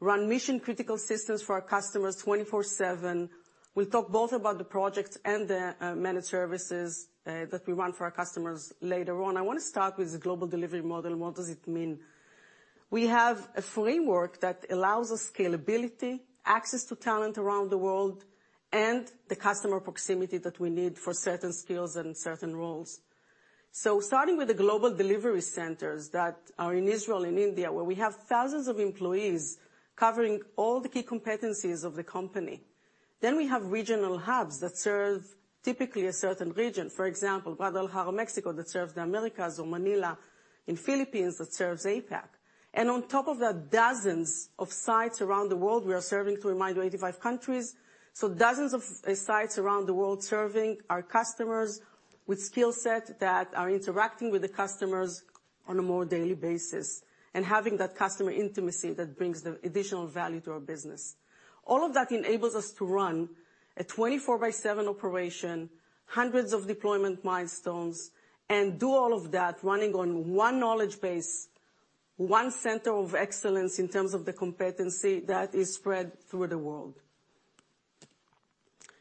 run mission-critical systems for our customers 24/7. We'll talk both about the projects and the, Managed Services, that we run for our customers later on. I wanna start with the global delivery model. What does it mean? We have a framework that allows us scalability, access to talent around the world, and the customer proximity that we need for certain skills and certain roles. Starting with the global delivery centers that are in Israel and India, where we have thousands of employees covering all the key competencies of the company. We have regional hubs that serve typically a certain region, for example, Guadalajara, Mexico, that serves the Americas or Manila in Philippines that serves APAC. On top of that, dozens of sites around the world we are serving. To remind you, 85 countries, so dozens of sites around the world serving our customers with skill set that are interacting with the customers on a more daily basis and having that customer intimacy that brings the additional value to our business. All of that enables us to run a 24-by-7 operation, hundreds of deployment milestones, and do all of that running on one knowledge base, one center of excellence in terms of the competency that is spread through the world.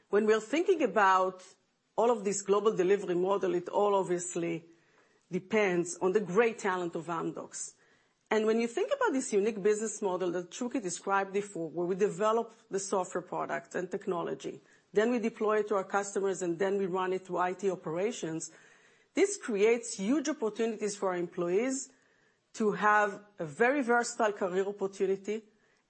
When we're thinking about all of this global delivery model, it all obviously depends on the great talent of Amdocs. When you think about this unique business model that Shuky described before, where we develop the software product and technology, then we deploy it to our customers, and then we run it through IT operations, this creates huge opportunities for our employees to have a very versatile career opportunity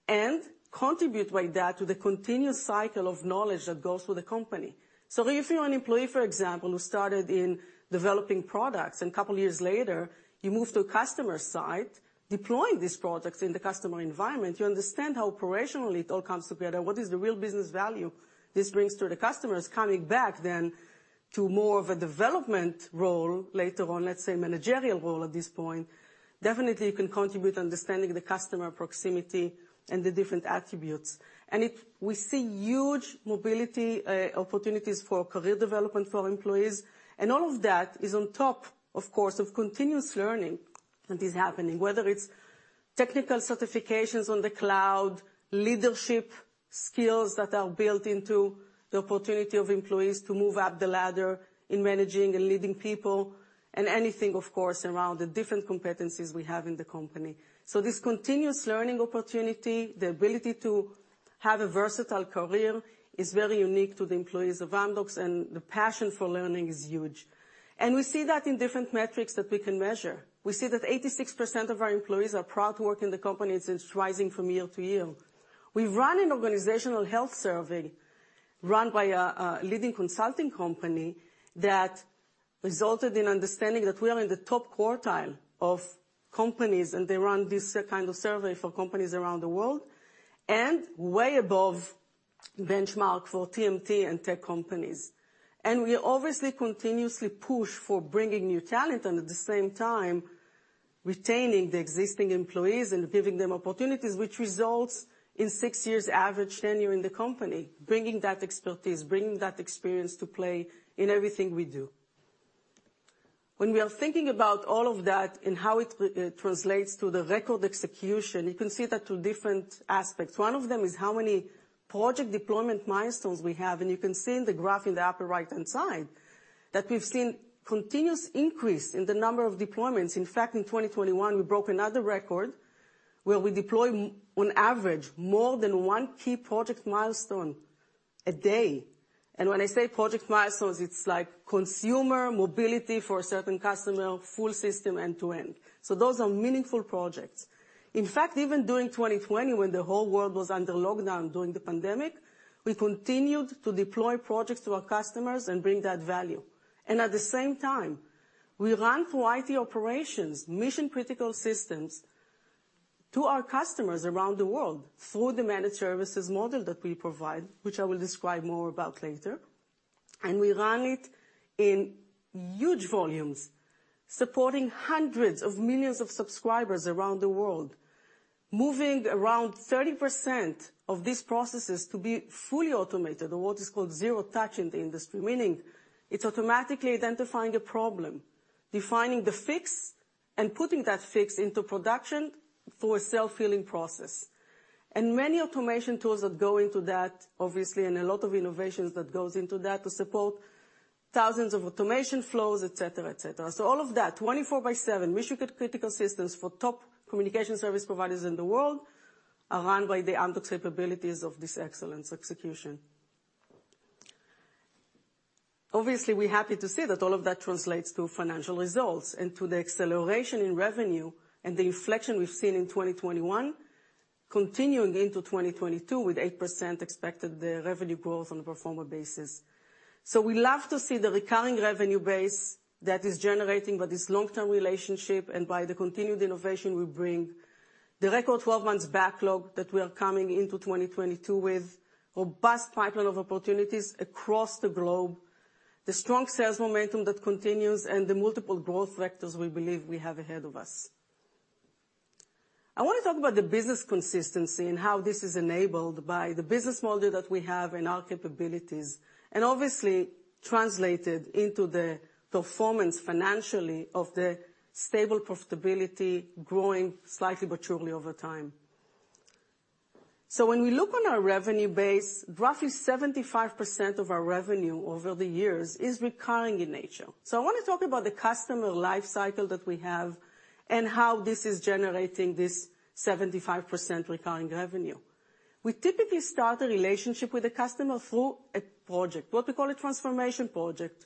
and contribute like that to the continuous cycle of knowledge that goes through the company. If you're an employee, for example, who started in developing products, and couple years later you move to a customer site deploying these products in the customer environment, you understand how operationally it all comes together, what is the real business value this brings to the customers. Coming back then to more of a development role later on, let's say managerial role at this point, definitely you can contribute understanding the customer proximity and the different attributes. We see huge mobility, opportunities for career development for our employees. All of that is on top, of course, of continuous learning that is happening, whether it's technical certifications on the cloud, leadership skills that are built into the opportunity of employees to move up the ladder in managing and leading people, and anything, of course, around the different competencies we have in the company. This continuous learning opportunity, the ability to have a versatile career is very unique to the employees of Amdocs, and the passion for learning is huge. We see that in different metrics that we can measure. We see that 86% of our employees are proud to work in the company, and it's rising from year to year. We run an organizational health survey run by a leading consulting company that resulted in understanding that we are in the top quartile of companies, and they run this kind of survey for companies around the world, and way above benchmark for TMT and tech companies. We obviously continuously push for bringing new talent and at the same time retaining the existing employees and giving them opportunities, which results in six years average tenure in the company, bringing that expertise, bringing that experience to play in everything we do. When we are thinking about all of that and how it translates to the record execution, you can see that two different aspects. One of them is how many project deployment milestones we have, and you can see in the graph in the upper right-hand side that we've seen continuous increase in the number of deployments. In fact, in 2021 we broke another record where we deploy on average more than one key project milestone a day. When I say project milestones, it's like consumer mobility for a certain customer, full system end-to-end. Those are meaningful projects. In fact, even during 2020 when the whole world was under lockdown during the pandemic, we continued to deploy projects to our customers and bring that value. At the same time, we run through IT operations, mission-critical systems to our customers around the world through the managed services model that we provide, which I will describe more about later. We run it in huge volumes, supporting hundreds of millions of subscribers around the world, moving around 30% of these processes to be fully automated, or what is called zero touch in the industry, meaning it's automatically identifying a problem, defining the fix, and putting that fix into production through a self-healing process. Many automation tools that go into that, obviously, and a lot of innovations that goes into that to support thousands of automation flows, etc., etc. All of that, 24/7 mission-critical systems for top communication service providers in the world, are run by the Amdocs capabilities of this excellent execution. Obviously, we're happy to see that all of that translates to financial results and to the acceleration in revenue and the inflection we've seen in 2021 continuing into 2022 with 8% expected revenue growth on the pro forma basis. We love to see the recurring revenue base that is generating by this long-term relationship and by the continued innovation we bring, the record 12-month backlog that we are coming into 2022 with, robust pipeline of opportunities across the globe, the strong sales momentum that continues, and the multiple growth vectors we believe we have ahead of us. I want to talk about the business consistency and how this is enabled by the business model that we have and our capabilities, and obviously translated into the performance financially of the stable profitability growing slightly but surely over time. When we look on our revenue base, roughly 75% of our revenue over the years is recurring in nature. I want to talk about the customer life cycle that we have and how this is generating this 75% recurring revenue. We typically start a relationship with a customer through a project, what we call a transformation project,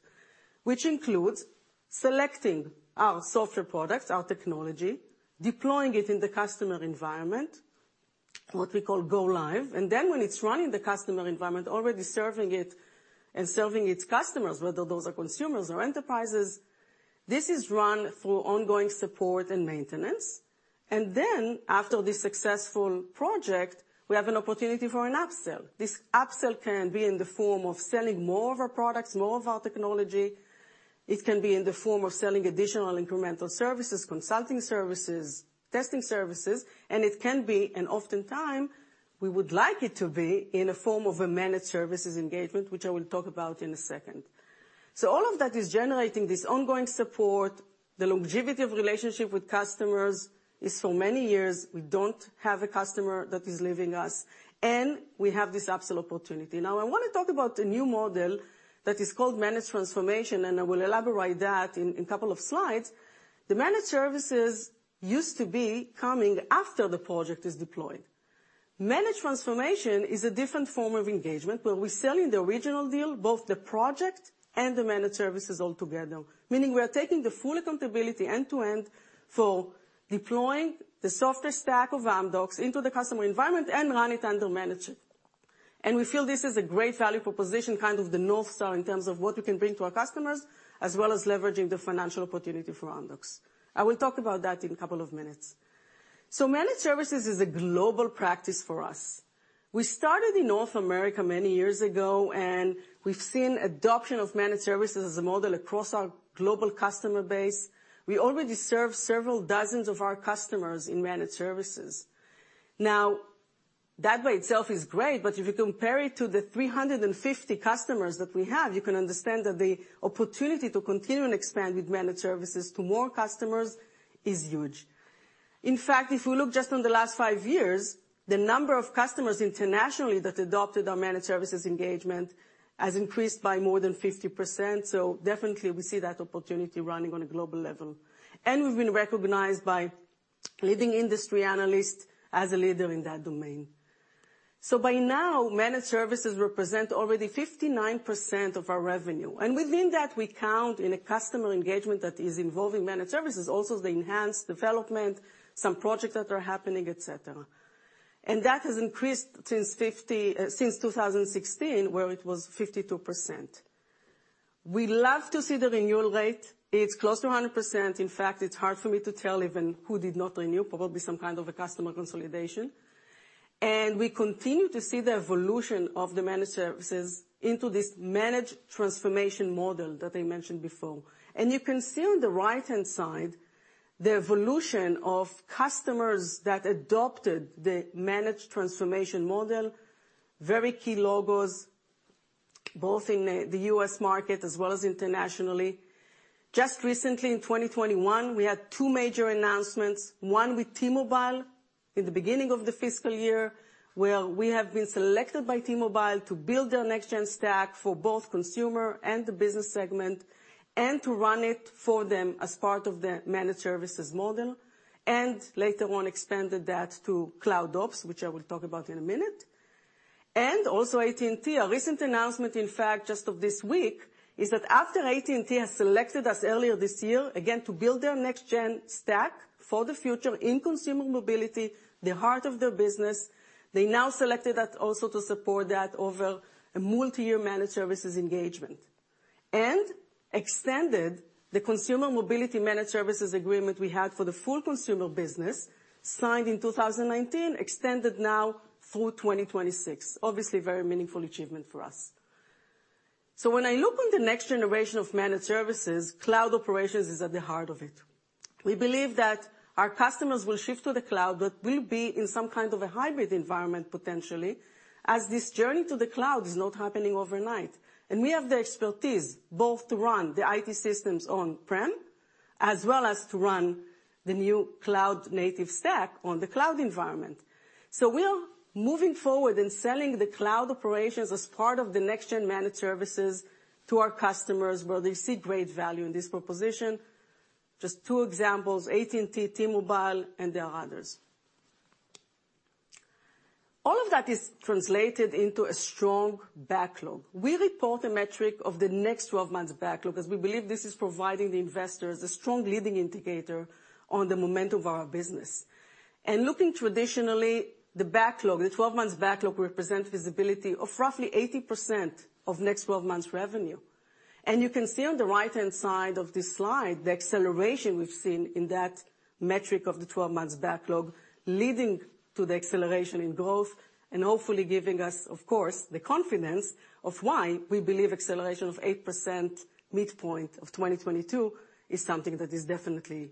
which includes selecting our software products, our technology, deploying it in the customer environment, what we call go live. Then when it's running the customer environment, already serving it, and serving its customers, whether those are consumers or enterprises, this is run through ongoing support and maintenance. After this successful project, we have an opportunity for an upsell. This upsell can be in the form of selling more of our products, more of our technology. It can be in the form of selling additional incremental services, consulting services, testing services, and it can be, and oftentimes we would like it to be in a form of a Managed Services engagement, which I will talk about in a second. All of that is generating this ongoing support. The longevity of relationship with customers is for many years, we don't have a customer that is leaving us, and we have this upsell opportunity. Now, I want to talk about a new model that is called Managed Transformation, and I will elaborate that in a couple of slides. The Managed Services used to be coming after the project is deployed. Managed Transformation is a different form of engagement, where we're selling the original deal, both the project and the Managed Services altogether, meaning we are taking the full accountability end to end for deploying the software stack of Amdocs into the customer environment and run it and manage it. We feel this is a great value proposition, kind of the North Star in terms of what we can bring to our customers, as well as leveraging the financial opportunity for Amdocs. I will talk about that in a couple of minutes. Managed Services is a global practice for us. We started in North America many years ago, and we've seen adoption of Managed Services as a model across our global customer base. We already serve several dozens of our customers in Managed Services. Now, that by itself is great, but if you compare it to the 350 customers that we have, you can understand that the opportunity to continue and expand with Managed Services to more customers is huge. In fact, if you look just on the last 5 years, the number of customers internationally that adopted our Managed Services engagement has increased by more than 50%. Definitely we see that opportunity running on a global level. We've been recognized by leading industry analysts as a leader in that domain. By now, Managed Services represent already 59% of our revenue, and within that, we count in a customer engagement that is involving Managed Services, also the enhanced development, some projects that are happening, et cetera. That has increased since 2016, where it was 52%. We love to see the renewal rate. It's close to 100%. In fact, it's hard for me to tell even who did not renew, probably some kind of a customer consolidation. We continue to see the evolution of the Managed Services into this Managed Transformation model that I mentioned before. You can see on the right-hand side the evolution of customers that adopted the Managed Transformation model, very key logos, both in the U.S. market as well as internationally. Just recently in 2021, we had two major announcements, one with T-Mobile in the beginning of the fiscal year, where we have been selected by T-Mobile to build their next gen stack for both consumer and the business segment and to run it for them as part of the Managed Services model, and later on expanded that to CloudOps, which I will talk about in a minute. Also AT&T. A recent announcement, in fact, just this week, is that after AT&T has selected us earlier this year, again to build their next gen stack for the future in consumer mobility, the heart of their business, they now selected us also to support that over a multi-year managed services engagement and extended the consumer mobility managed services agreement we had for the full consumer business signed in 2019, extended now through 2026. Obviously, a very meaningful achievement for us. When I look on the next generation of managed services, cloud operations is at the heart of it. We believe that our customers will shift to the cloud, but we'll be in some kind of a hybrid environment potentially, as this journey to the cloud is not happening overnight. We have the expertise both to run the IT systems on-prem, as well as to run the new cloud-native stack on the cloud environment. We are moving forward in selling the cloud operations as part of the next gen managed services to our customers where they see great value in this proposition. Just two examples, AT&T, T-Mobile, and there are others. All of that is translated into a strong backlog. We report a metric of the next 12 months backlog because we believe this is providing the investors a strong leading indicator on the momentum of our business. Looking traditionally, the backlog, the 12 months backlog represent visibility of roughly 80% of next 12 months revenue. You can see on the right-hand side of this slide, the acceleration we've seen in that metric of the 12 months backlog, leading to the acceleration in growth and hopefully giving us, of course, the confidence of why we believe acceleration of 8% midpoint of 2022 is something that is definitely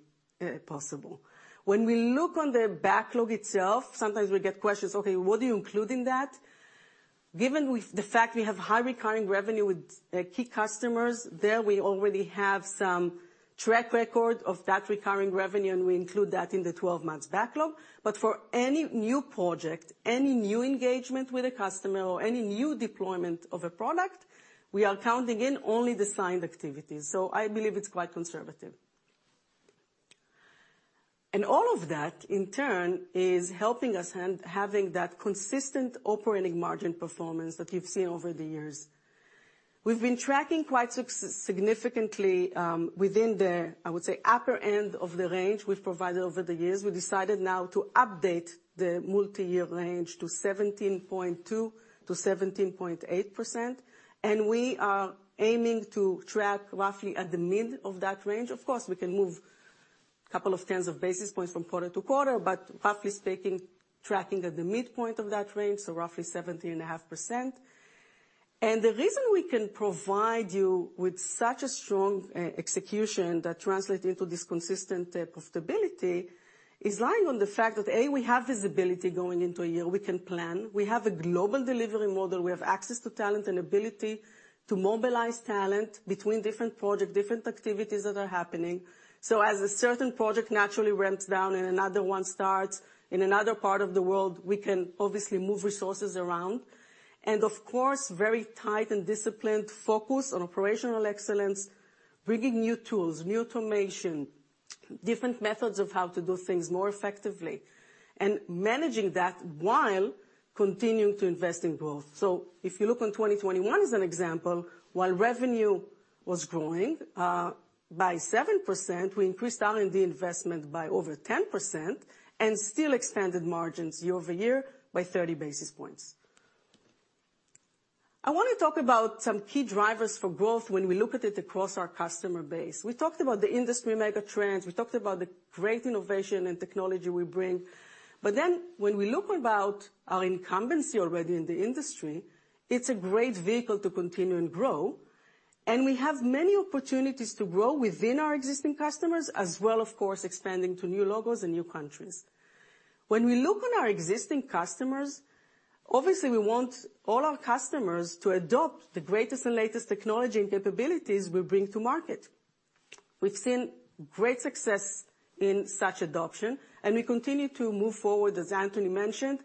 possible. When we look at the backlog itself, sometimes we get questions, "Okay, what do you include in that?" Given the fact we have high recurring revenue with key customers, there we already have some track record of that recurring revenue, and we include that in the 12-month backlog. For any new project, any new engagement with a customer or any new deployment of a product, we are counting in only the signed activities. I believe it's quite conservative. All of that in turn is helping us and having that consistent operating margin performance that you've seen over the years. We've been tracking quite significantly within the, I would say, upper end of the range we've provided over the years. We decided now to update the multi-year range to 17.2%-17.8%, and we are aiming to track roughly at the mid of that range. Of course, we can move a couple of tens of basis points from quarter to quarter, but roughly speaking, tracking at the midpoint of that range, so roughly 17.5%. The reason we can provide you with such a strong execution that translate into this consistent profitability is lying in the fact that, A, we have visibility going into a year. We can plan. We have a global delivery model. We have access to talent and ability to mobilize talent between different project, different activities that are happening. As a certain project naturally ramps down and another one starts in another part of the world, we can obviously move resources around. Of course, very tight and disciplined focus on operational excellence, bringing new tools, new automation, different methods of how to do things more effectively, and managing that while continuing to invest in growth. If you look on 2021 as an example, while revenue was growing by 7%, we increased R&D investment by over 10% and still expanded margins year-over-year by 30 basis points. I wanna talk about some key drivers for growth when we look at it across our customer base. We talked about the industry mega trends. We talked about the great innovation and technology we bring. But then when we look about our incumbency already in the industry, it's a great vehicle to continue and grow. We have many opportunities to grow within our existing customers as well, of course, expanding to new logos and new countries. When we look on our existing customers, obviously, we want all our customers to adopt the greatest and latest technology and capabilities we bring to market. We've seen great success in such adoption, and we continue to move forward, as Anthony mentioned.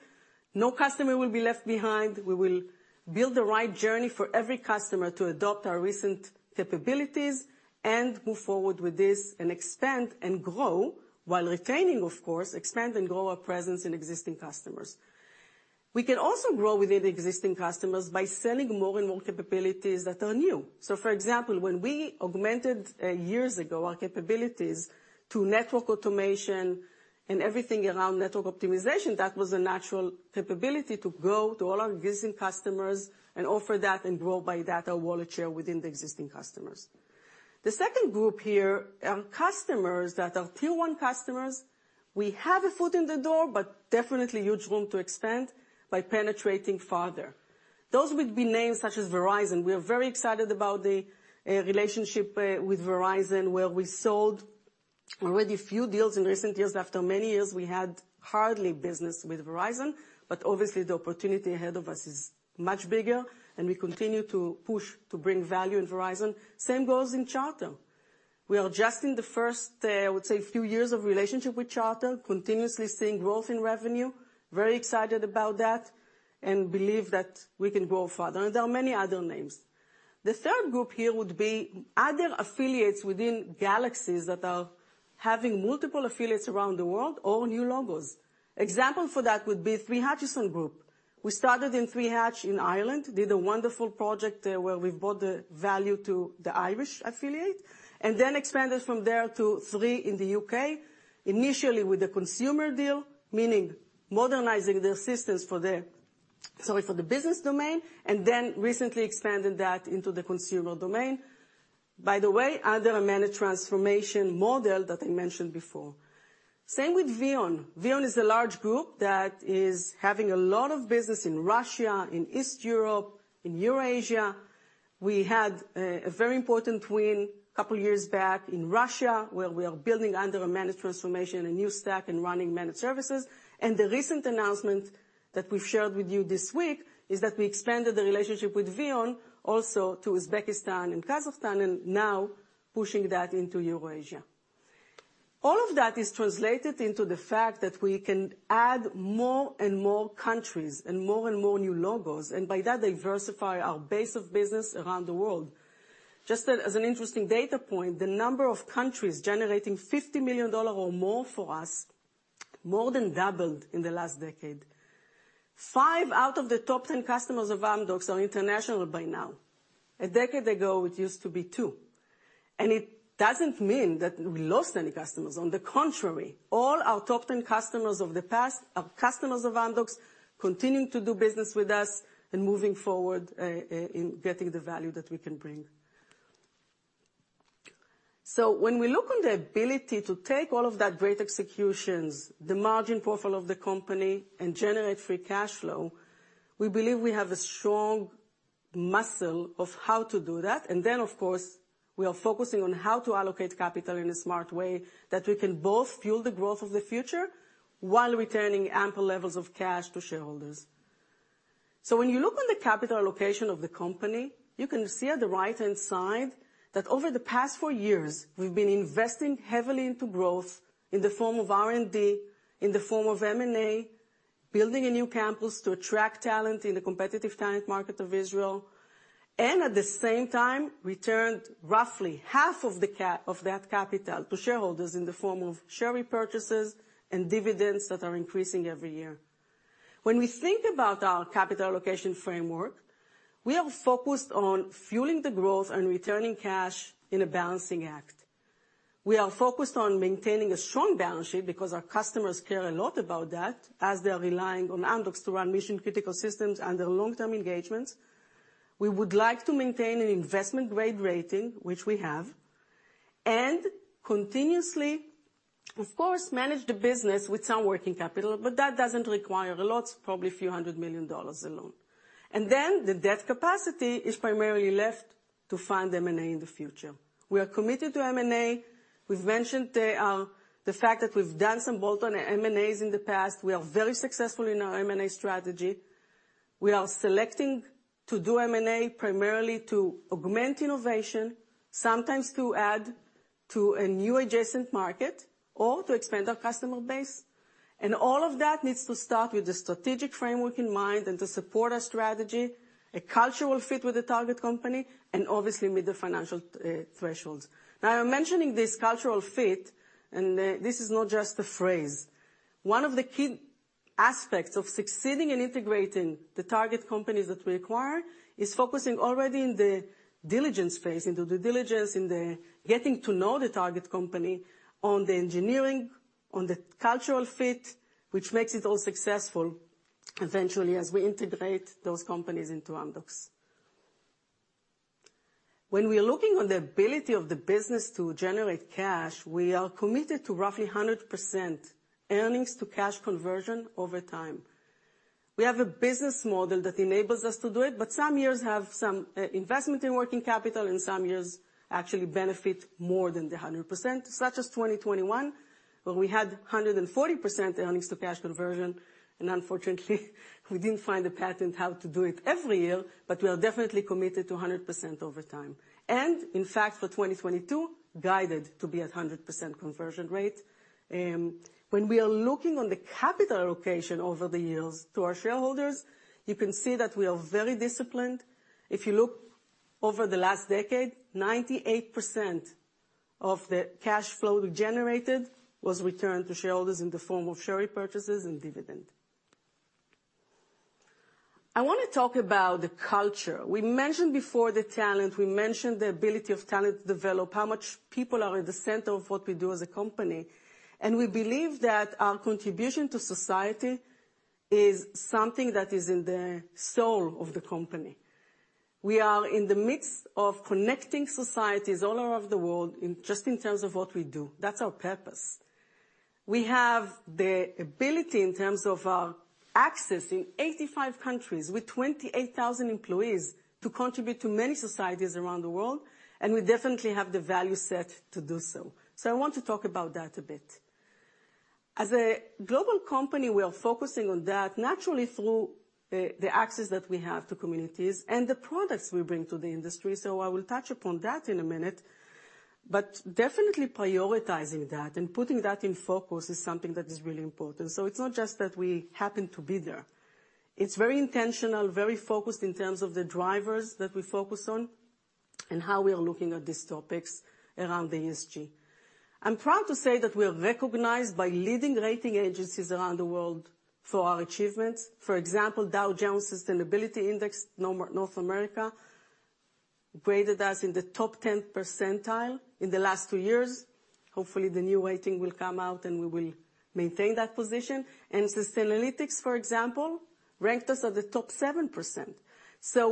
No customer will be left behind. We will build the right journey for every customer to adopt our recent capabilities and move forward with this and expand and grow while retaining, of course, expand and grow our presence in existing customers. We can also grow within existing customers by selling more and more capabilities that are new. For example, when we augmented years ago our capabilities to network automation and everything around network optimization, that was a natural capability to go to all our existing customers and offer that and grow by that our wallet share within the existing customers. The second group here, customers that are tier one customers, we have a foot in the door, but definitely huge room to expand by penetrating farther. Those would be names such as Verizon. We are very excited about the relationship with Verizon, where we sold already a few deals in recent years. After many years, we had hardly business with Verizon, but obviously the opportunity ahead of us is much bigger, and we continue to push to bring value in Verizon. Same goes in Charter. We are just in the first, I would say, few years of relationship with Charter, continuously seeing growth in revenue. Very excited about that and believe that we can grow farther. There are many other names. The third group here would be other affiliates within conglomerates that are having multiple affiliates around the world or new logos. Example for that would be CK Hutchison Group. We started in Three Hutch in Ireland, did a wonderful project, where we brought the value to the Irish affiliate, and then expanded from there to Three in the UK, initially with a business deal, meaning modernizing their systems for the business domain, and then recently expanded that into the consumer domain. By the way, under a Managed Transformation model that I mentioned before. Same with VEON. VEON is a large group that is having a lot of business in Russia, in East Europe, in Eurasia. We had a very important win couple years back in Russia, where we are building under a Managed Transformation, a new stack, and running Managed Services. The recent announcement that we've shared with you this week is that we expanded the relationship with VEON also to Uzbekistan and Kazakhstan, and now pushing that into Eurasia. All of that is translated into the fact that we can add more and more countries and more and more new logos, and by that diversify our base of business around the world. Just as an interesting data point, the number of countries generating $50 million or more for us more than doubled in the last decade. five out of the top 10 customers of Amdocs are international by now. A decade ago it used to be two. It doesn't mean that we lost any customers. On the contrary, all our top 10 customers of the past are customers of Amdocs, continuing to do business with us and moving forward, in getting the value that we can bring. When we look on the ability to take all of that great executions, the margin profile of the company, and generate free cash flow, we believe we have a strong muscle of how to do that. Of course, we are focusing on how to allocate capital in a smart way that we can both fuel the growth of the future while returning ample levels of cash to shareholders. When you look on the capital allocation of the company, you can see at the right-hand side that over the past four years we've been investing heavily into growth in the form of R&D, in the form of M&A, building a new campus to attract talent in the competitive talent market of Israel, and at the same time, returned roughly half of that capital to shareholders in the form of share repurchases and dividends that are increasing every year. When we think about our capital allocation framework, we are focused on fueling the growth and returning cash in a balancing act. We are focused on maintaining a strong balance sheet because our customers care a lot about that, as they are relying on Amdocs to run mission-critical systems under long-term engagements. We would like to maintain an investment-grade rating, which we have, and continuously, of course, manage the business with some working capital, but that doesn't require a lot, probably $a few hundred million alone. Then the debt capacity is primarily left to fund M&A in the future. We are committed to M&A. We've mentioned the fact that we've done some bolt-on M&As in the past. We are very successful in our M&A strategy. We are selecting to do M&A primarily to augment innovation, sometimes to add to a new adjacent market or to expand our customer base. All of that needs to start with a strategic framework in mind and to support our strategy, a cultural fit with the target company, and obviously meet the financial thresholds. Now, I'm mentioning this cultural fit, and this is not just a phrase. One of the key aspects of succeeding in integrating the target companies that we acquire is focusing already in the diligence phase, into the diligence, in the getting to know the target company on the engineering, on the cultural fit, which makes it all successful eventually as we integrate those companies into Amdocs. When we're looking on the ability of the business to generate cash, we are committed to roughly 100% earnings to cash conversion over time. We have a business model that enables us to do it, but some years have some investment in working capital, and some years actually benefit more than the 100%, such as 2021, when we had 140% earnings to cash conversion. Unfortunately, we didn't find a pattern how to do it every year, but we are definitely committed to a 100% over time. In fact, for 2022, guided to be at 100% conversion rate. When we are looking on the capital allocation over the years to our shareholders, you can see that we are very disciplined. If you look over the last decade, 98% of the cash flow we generated was returned to shareholders in the form of share repurchases and dividend. I wanna talk about the culture. We mentioned before the talent. We mentioned the ability of talent to develop, how much people are at the center of what we do as a company, and we believe that our contribution to society is something that is in the soul of the company. We are in the midst of connecting societies all over the world in, just in terms of what we do. That's our purpose. We have the ability, in terms of our access in 85 countries with 28,000 employees, to contribute to many societies around the world, and we definitely have the value set to do so. I want to talk about that a bit. As a global company, we are focusing on that naturally through the access that we have to communities and the products we bring to the industry, so I will touch upon that in a minute. Definitely prioritizing that and putting that in focus is something that is really important. It's not just that we happen to be there. It's very intentional, very focused in terms of the drivers that we focus on and how we are looking at these topics around the ESG. I'm proud to say that we are recognized by leading rating agencies around the world for our achievements. For example, Dow Jones Sustainability Index North America graded us in the top 10th percentile in the last two years. Hopefully, the new rating will come out, and we will maintain that position. Sustainalytics, for example, ranked us at the top 7%.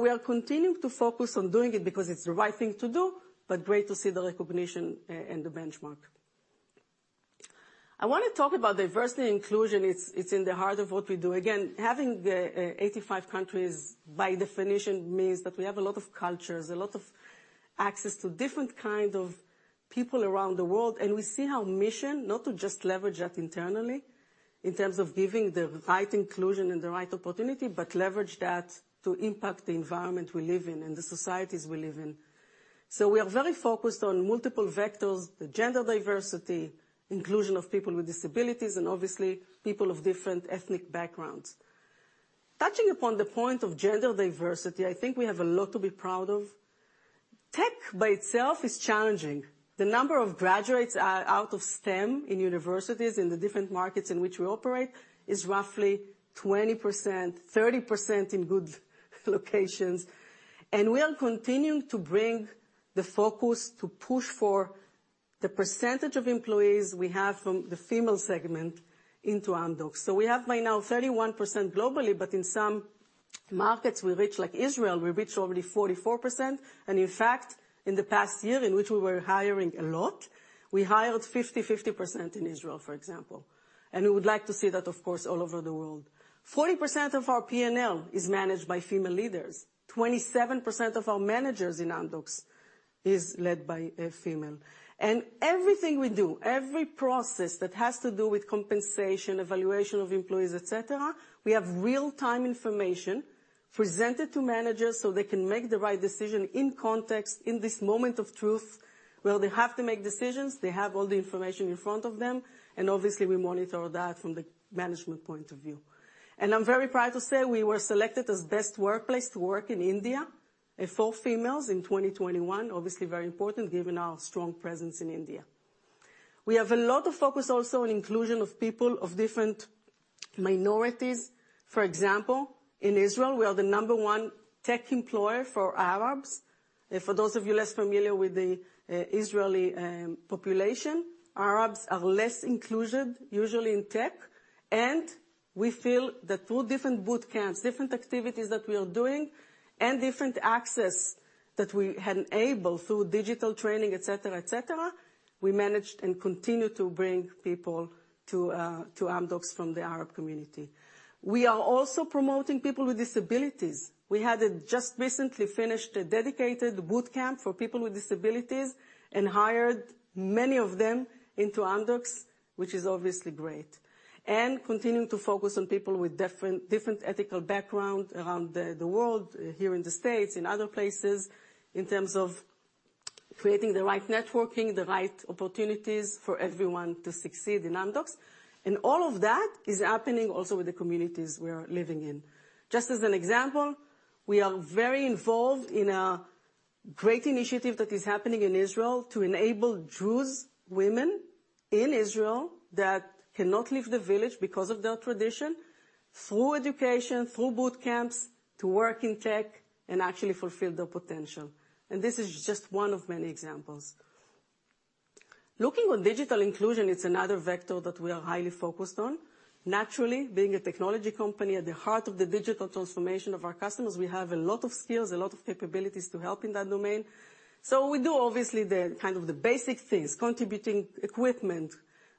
We are continuing to focus on doing it because it's the right thing to do, but great to see the recognition and the benchmark. I wanna talk about diversity and inclusion. It's in the heart of what we do. Again, having the 85 countries, by definition, means that we have a lot of cultures, a lot of access to different kind of people around the world, and we see our mission, not to just leverage that internally in terms of giving the right inclusion and the right opportunity, but leverage that to impact the environment we live in and the societies we live in. We are very focused on multiple vectors, the gender diversity, inclusion of people with disabilities, and obviously people of different ethnic backgrounds. Touching upon the point of gender diversity, I think we have a lot to be proud of. Tech by itself is challenging. The number of graduates out of STEM in universities in the different markets in which we operate is roughly 20%, 30% in good locations. We are continuing to bring the focus to push for the percentage of employees we have from the female segment into Amdocs. We have by now 31% globally, but in some markets we reach, like Israel, we reach already 44%. In fact, in the past year in which we were hiring a lot, we hired 50% in Israel, for example. We would like to see that, of course, all over the world. 40% of our P&L is managed by female leaders. 27% of our managers in Amdocs is led by a female. Everything we do, every process that has to do with compensation, evaluation of employees, et cetera, we have real-time information presented to managers so they can make the right decision in context, in this moment of truth, where they have to make decisions, they have all the information in front of them, and obviously we monitor that from the management point of view. I'm very proud to say we were selected as best workplace to work in India for females in 2021. Obviously very important given our strong presence in India. We have a lot of focus also on inclusion of people of different minorities. For example, in Israel, we are the number one tech employer for Arabs. For those of you less familiar with the Israeli population, Arabs are less included usually in tech. We feel that through different boot camps, different activities that we are doing and different access that we enable through digital training, et cetera, et cetera, we managed and continue to bring people to Amdocs from the Arab community. We are also promoting people with disabilities. We had just recently finished a dedicated boot camp for people with disabilities and hired many of them into Amdocs, which is obviously great. Continuing to focus on people with different ethnic background around the world, here in the States, in other places, in terms of creating the right networking, the right opportunities for everyone to succeed in Amdocs. All of that is happening also with the communities we are living in. Just as an example, we are very involved in a great initiative that is happening in Israel to enable Jewish women in Israel that cannot leave the village because of their tradition, through education, through boot camps, to work in tech and actually fulfill their potential. This is just one of many examples. Looking on digital inclusion, it's another vector that we are highly focused on. Naturally, being a technology company at the heart of the digital transformation of our customers, we have a lot of skills, a lot of capabilities to help in that domain. We do obviously the, kind of the basic things, contributing equipment.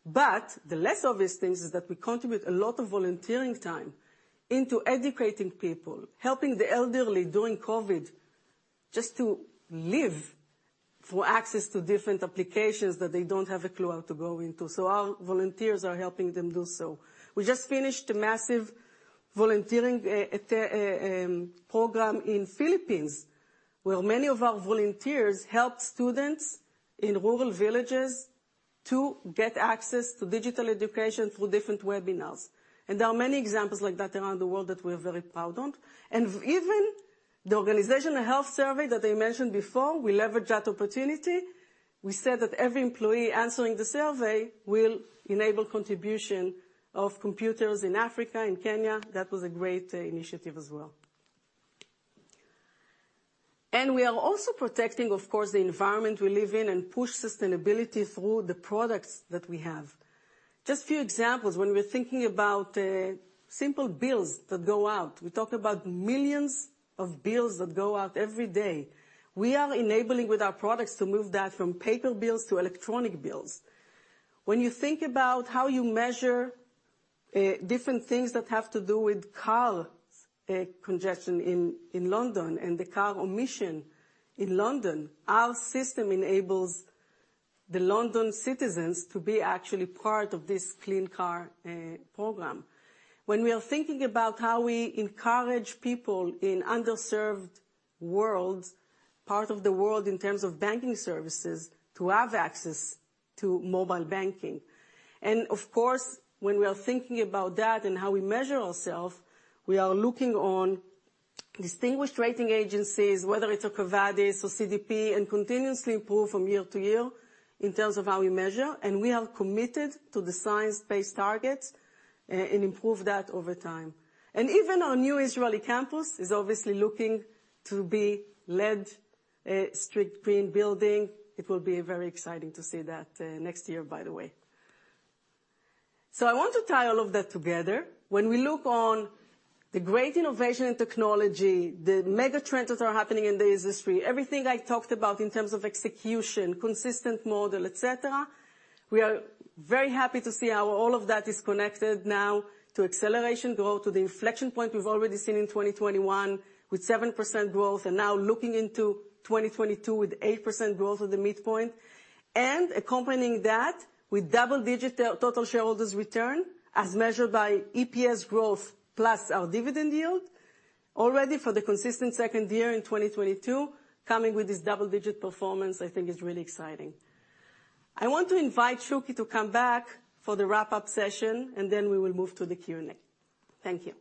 The less obvious things is that we contribute a lot of volunteering time into educating people, helping the elderly during COVID just to give them access to different applications that they don't have a clue how to go into. Our volunteers are helping them do so. We just finished a massive volunteering program in Philippines, where many of our volunteers help students in rural villages to get access to digital education through different webinars. There are many examples like that around the world that we're very proud of. Even the organizational health survey that I mentioned before, we leverage that opportunity. We said that every employee answering the survey will enable contribution of computers in Africa, in Kenya. That was a great initiative as well. We are also protecting, of course, the environment we live in and push sustainability through the products that we have. Just few examples, when we're thinking about simple bills that go out, we talk about millions of bills that go out every day. We are enabling with our products to move that from paper bills to electronic bills. When you think about how you measure different things that have to do with car congestion in London and the car emission in London, our system enables the London citizens to be actually part of this clean car program. When we are thinking about how we encourage people in underserved world, part of the world in terms of banking services, to have access to mobile banking. Of course, when we are thinking about that and how we measure ourselves, we are looking to distinguished rating agencies, whether it's an EcoVadis or CDP, and continuously improve from year to year in terms of how we measure. We are committed to the science-based targets, and improve that over time. Even our new Israeli campus is obviously looking to be LEED strict green building. It will be very exciting to see that next year, by the way. I want to tie all of that together. When we look on the great innovation in technology, the mega trends that are happening in the industry, everything I talked about in terms of execution, consistent model, et cetera, we are very happy to see how all of that is connected now to acceleration growth, to the inflection point we've already seen in 2021 with 7% growth, and now looking into 2022 with 8% growth at the midpoint. Accompanying that with double-digit total shareholders' return, as measured by EPS growth plus our dividend yield. Already for the consistent second year in 2022, coming with this double-digit performance I think is really exciting. I want to invite Shuky to come back for the wrap-up session, and then we will move to the Q&A. Thank you.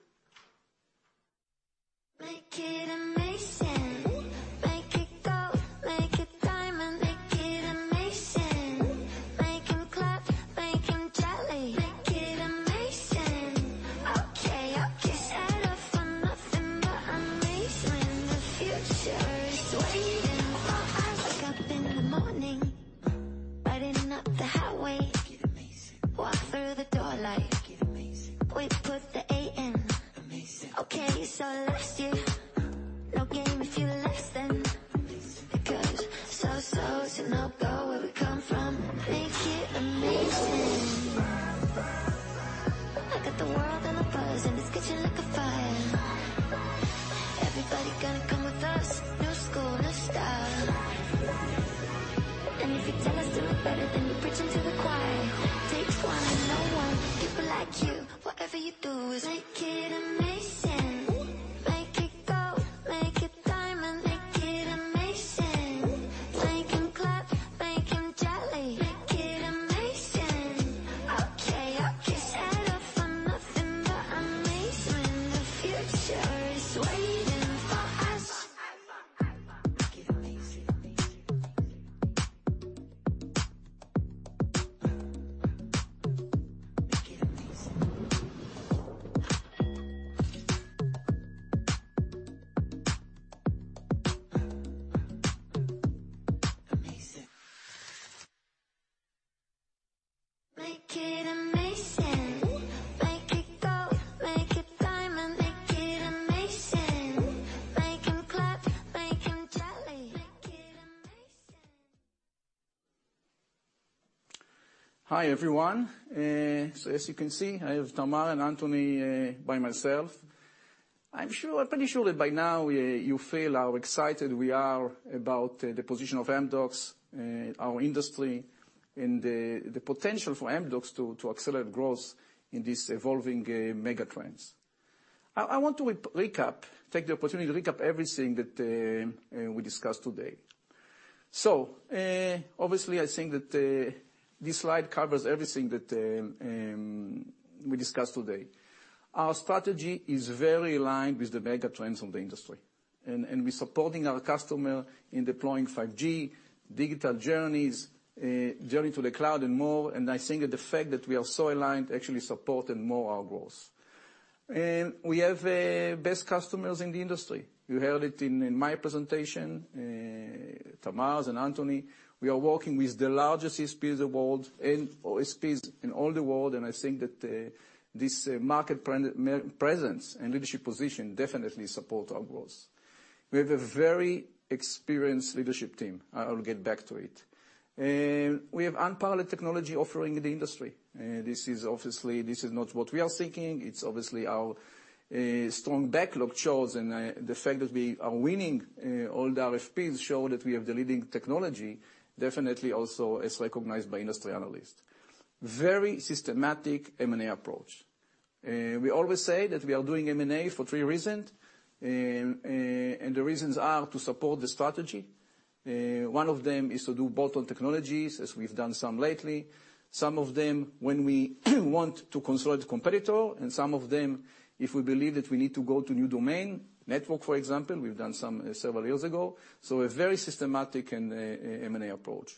Hi, everyone. So as you can see, I have Tamar and Anthony by myself. I'm sure pretty sure that by now you feel how excited we are about the position of Amdocs, our industry, and the potential for Amdocs to accelerate growth in these evolving mega trends. I want to recap, take the opportunity to recap everything that we discussed today. Obviously, I think that this slide covers everything that we discussed today. Our strategy is very aligned with the mega trends of the industry, and we're supporting our customer in deploying 5G, digital journeys, journey to the cloud, and more, and I think that the fact that we are so aligned actually supported more our growth. We have best customers in the industry. You heard it in my presentation, Tamar's and Anthony's. We are working with the largest ISPs worldwide and ISPs in all the world, and I think that this market presence and leadership position definitely support our growth. We have a very experienced leadership team. I will get back to it. We have unparalleled technology offering in the industry. This is obviously this is not what we are seeking. It's obviously our strong backlog shows and the fact that we are winning all the RFPs show that we have the leading technology, definitely also as recognized by industry analysts. Very systematic M&A approach. We always say that we are doing M&A for three reasons. The reasons are to support the strategy. One of them is to do bolt-on technologies, as we've done some lately. Some of them when we want to acquire competitor, and some of them, if we believe that we need to go to new domain, network for example. We've done several years ago. A very systematic and M&A approach.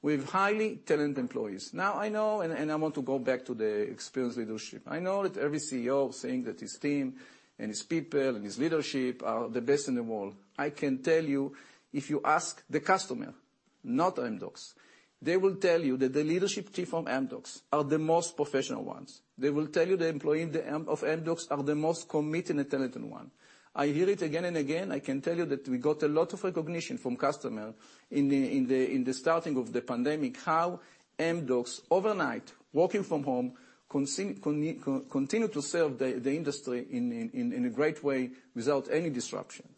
We have highly talented employees. Now I know, and I want to go back to the experienced leadership. I know that every CEO saying that his team and his people and his leadership are the best in the world. I can tell you, if you ask the customers, not Amdocs, they will tell you that the leadership team from Amdocs are the most professional ones. They will tell you the employees of Amdocs are the most committed and talented ones. I hear it again and again. I can tell you that we got a lot of recognition from customer in the starting of the pandemic, how Amdocs overnight, working from home, continue to serve the industry in a great way without any disruption.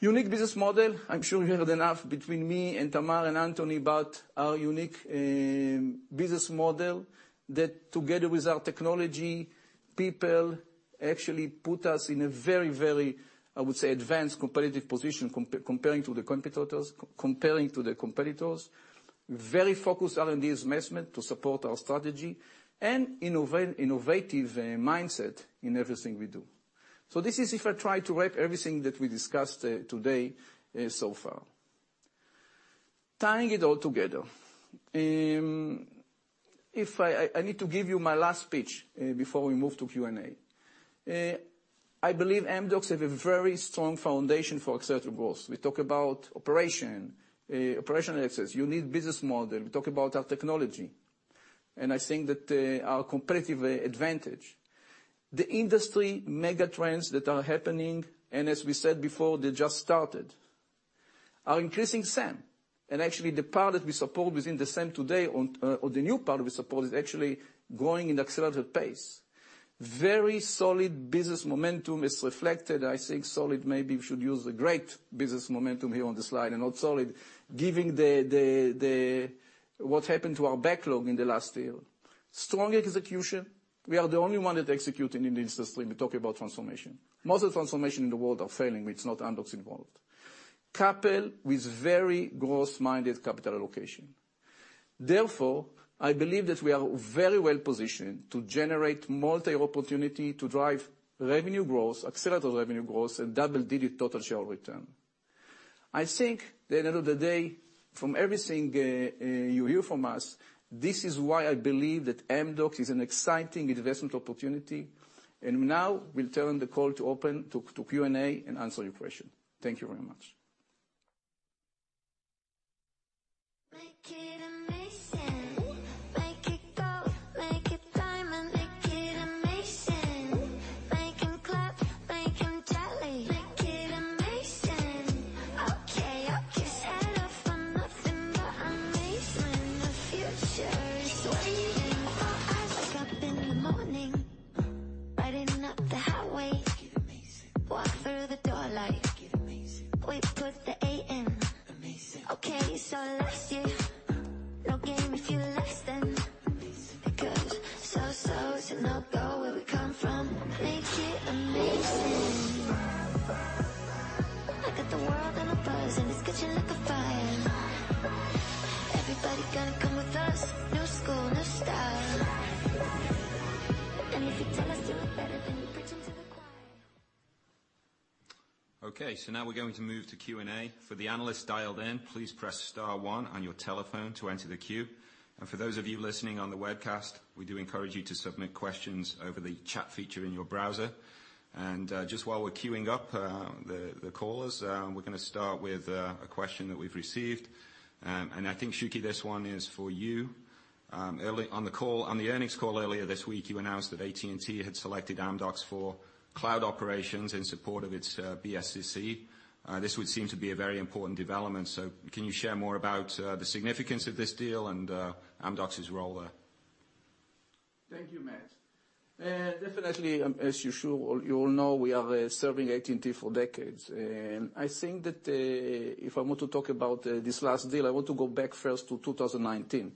Unique business model. I'm sure you heard enough between me and Tamar and Anthony about our unique business model, that together with our technology, people actually put us in a very advanced competitive position comparing to the competitors. Very focused R&D investment to support our strategy and innovative mindset in everything we do. This is if I try to wrap everything that we discussed today so far. Tying it all together. If I need to give you my last pitch before we move to Q&A. I believe Amdocs have a very strong foundation for accelerated growth. We talk about operation, operational access, unique business model. We talk about our technology, and I think that, our competitive advantage. The industry mega trends that are happening, and as we said before, they just started, are increasing SAM, and actually the part that we support within the SAM today on, or the new part we support is actually growing in accelerated pace. Very solid business momentum is reflected. I think solid, maybe we should use a great business momentum here on the slide and not solid, giving the, what happened to our backlog in the last year. Strong execution. We are the only one that executing in the industry. We talk about transformation. Most of the transformation in the world are failing, which not Amdocs involved. Couple with very growth-minded capital allocation. Therefore, I believe that we are very well positioned to generate multiple opportunities to drive revenue growth, accelerated revenue growth, and double-digit total shareholder return. I think at the end of the day, from everything you hear from us, this is why I believe that Amdocs is an exciting investment opportunity. Now we'll turn the call over to Q&A and answer your question. Thank you very much. Okay, now we're going to move to Q&A. For the analysts dialed in please press star one on your telephone to enter the queue. For those of you listening on the webcast, we do encourage you to submit questions over the chat feature in your browser. Just while we're queuing up the callers, we're gonna start with a question that we've received. I think, Shuky, this one is for you. Early on the call, on the earnings call earlier this week, you announced that AT&T had selected Amdocs for cloud operations in support of its BSSe. This would seem to be a very important development, so can you share more about the significance of this deal and Amdocs role there? Thank you, Matt. Definitely, as you should, you all know we are serving AT&T for decades. I think that if I want to talk about this last deal, I want to go back first to 2019.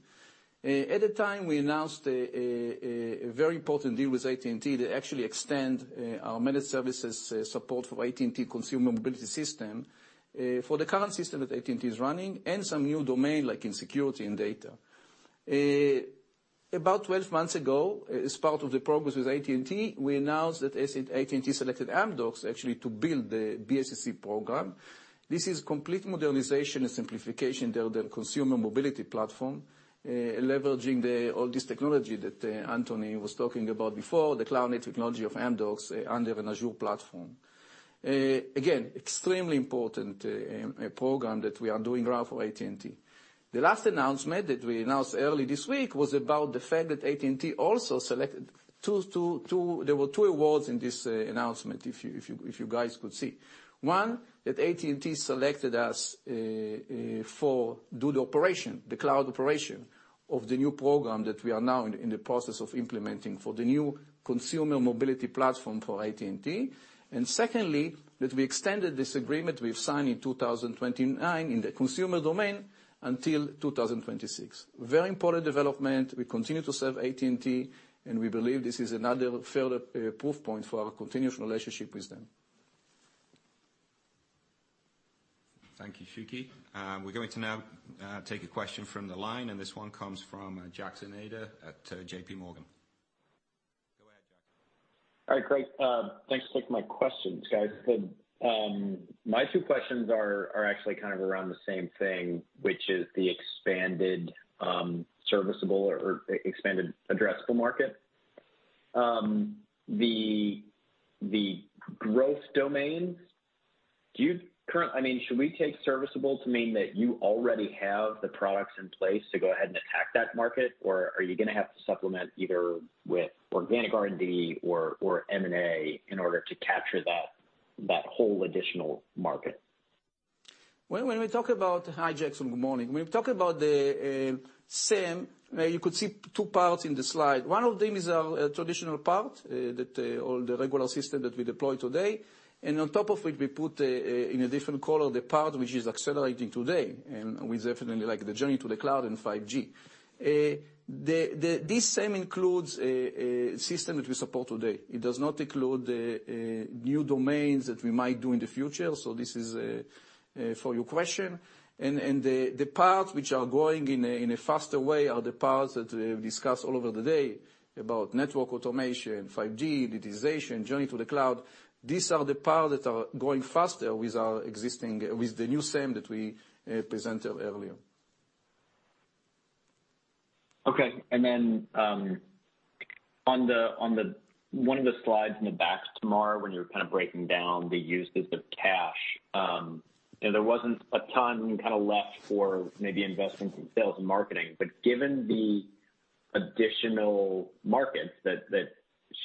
At the time, we announced a very important deal with AT&T to actually extend our managed services support for AT&T consumer mobility system for the current system that AT&T is running and some new domain, like in security and data. About 12 months ago, as part of the progress with AT&T, we announced that AT&T selected Amdocs actually to build the BSSe program. This is complete modernization and simplification of their consumer mobility platform, leveraging the all this technology that Anthony was talking about before, the cloud-native technology of Amdocs under an Azure platform. Again, extremely important program that we are doing right for AT&T. The last announcement that we announced early this week was about the fact that AT&T also selected two. There were two awards in this announcement, if you guys could see. One, that AT&T selected us to do the operation, the cloud operation of the new program that we are now in the process of implementing for the new consumer mobility platform for AT&T. Secondly, that we extended this agreement we've signed in 2019 in the consumer domain until 2026. Very important development. We continue to serve AT&T, and we believe this is another further proof point for our continuous relationship with them. Thank you, Shuky. We're going to now take a question from the line, and this one comes from Jackson Ader at JPMorgan. Go ahead, Jackson. All right, great. Thanks for taking my questions, guys. My two questions are actually kind of around the same thing, which is the expanded serviceable or expanded addressable market. The growth domains, I mean, should we take serviceable to mean that you already have the products in place to go ahead and attack that market? Or are you gonna have to supplement either with organic R&D or M&A in order to capture that whole additional market? Hi, Jackson. Good morning. When we talk about the SAM, you could see two parts in the slide. One of them is our traditional part, that's all the regular systems that we deploy today, and on top of it we put in a different color the part which is accelerating today, and we definitely like the journey to the cloud and 5G. This SAM includes a system that we support today. It does not include new domains that we might do in the future. So this is for your question. The parts which are growing in a faster way are the parts that we have discussed all over the day, about network automation, 5G, digitization, journey to the cloud. These are the parts that are growing faster with the new SAM that we presented earlier. Okay. On one of the slides in the back, Tamar, when you were kind of breaking down the uses of cash, you know, there wasn't a ton kind of left for maybe investments in sales and marketing. Given the additional markets that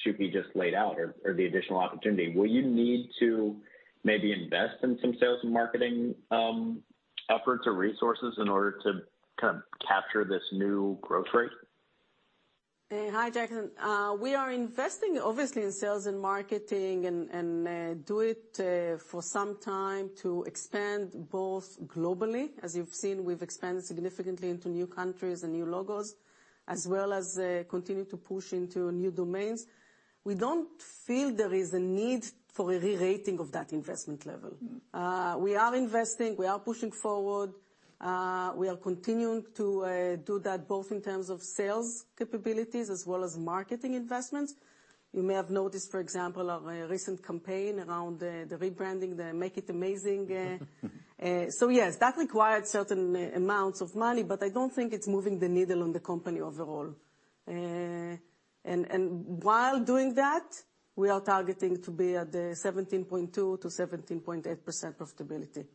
Shuky just laid out or the additional opportunity, will you need to maybe invest in some sales and marketing efforts or resources in order to kind of capture this new growth rate? Hi, Jackson. We are investing obviously in sales and marketing and doing it for some time to expand both globally. As you've seen, we've expanded significantly into new countries and new logos, as well as continuing to push into new domains. We don't feel there is a need for a rerating of that investment level. We are investing, we are pushing forward. We are continuing to do that both in terms of sales capabilities as well as marketing investments. You may have noticed, for example, our recent campaign around the rebranding, the Make it Amazing. So yes, that required certain amounts of money, but I don't think it's moving the needle on the company overall. And while doing that, we are targeting to be at the 17.2%-17.8% profitability.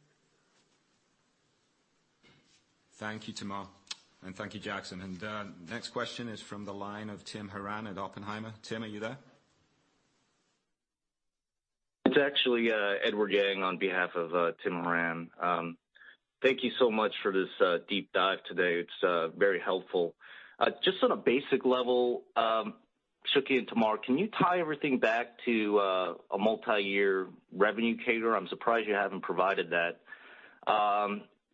Thank you, Tamar. Thank you, Jackson. Next question is from the line of Tim Horan at Oppenheimer. Tim, are you there? It's actually Edward Yang on behalf of Tim Horan. Thank you so much for this deep dive today. It's very helpful. Just on a basic level, Shuky and Tamar, can you tie everything back to a multi-year revenue cadence? I'm surprised you haven't provided that.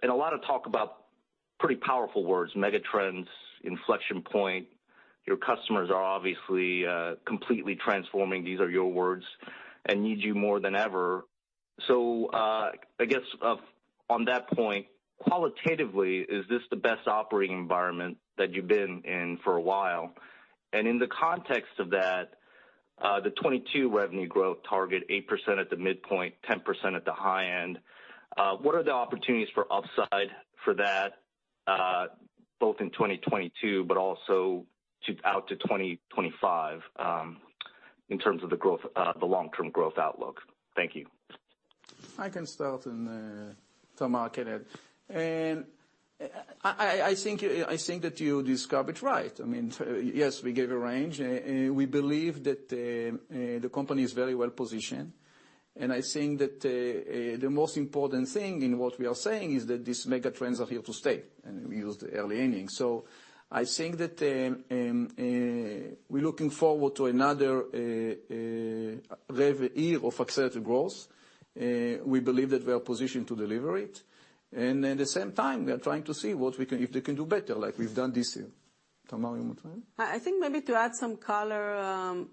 A lot of talk about pretty powerful words, megatrends, inflection point. Your customers are obviously completely transforming, these are your words, and need you more than ever. I guess on that point, qualitatively, is this the best operating environment that you've been in for a while? In the context of that, the 2022 revenue growth target 8% at the midpoint, 10% at the high end, what are the opportunities for upside for that, both in 2022 but also out to 2025, in terms of the growth, the long-term growth outlook? Thank you. I can start, and Tamar can add. I think that you describe it right. I mean, yes, we gave a range. We believe that the company is very well-positioned, and I think that the most important thing in what we are saying is that these megatrends are here to stay. We used early innings. I think that we're looking forward to another rev year of accelerated growth. We believe that we are positioned to deliver it. At the same time, we are trying to see what we can, if we can do better, like we've done this year. Tamar, you want to add? I think maybe to add some color,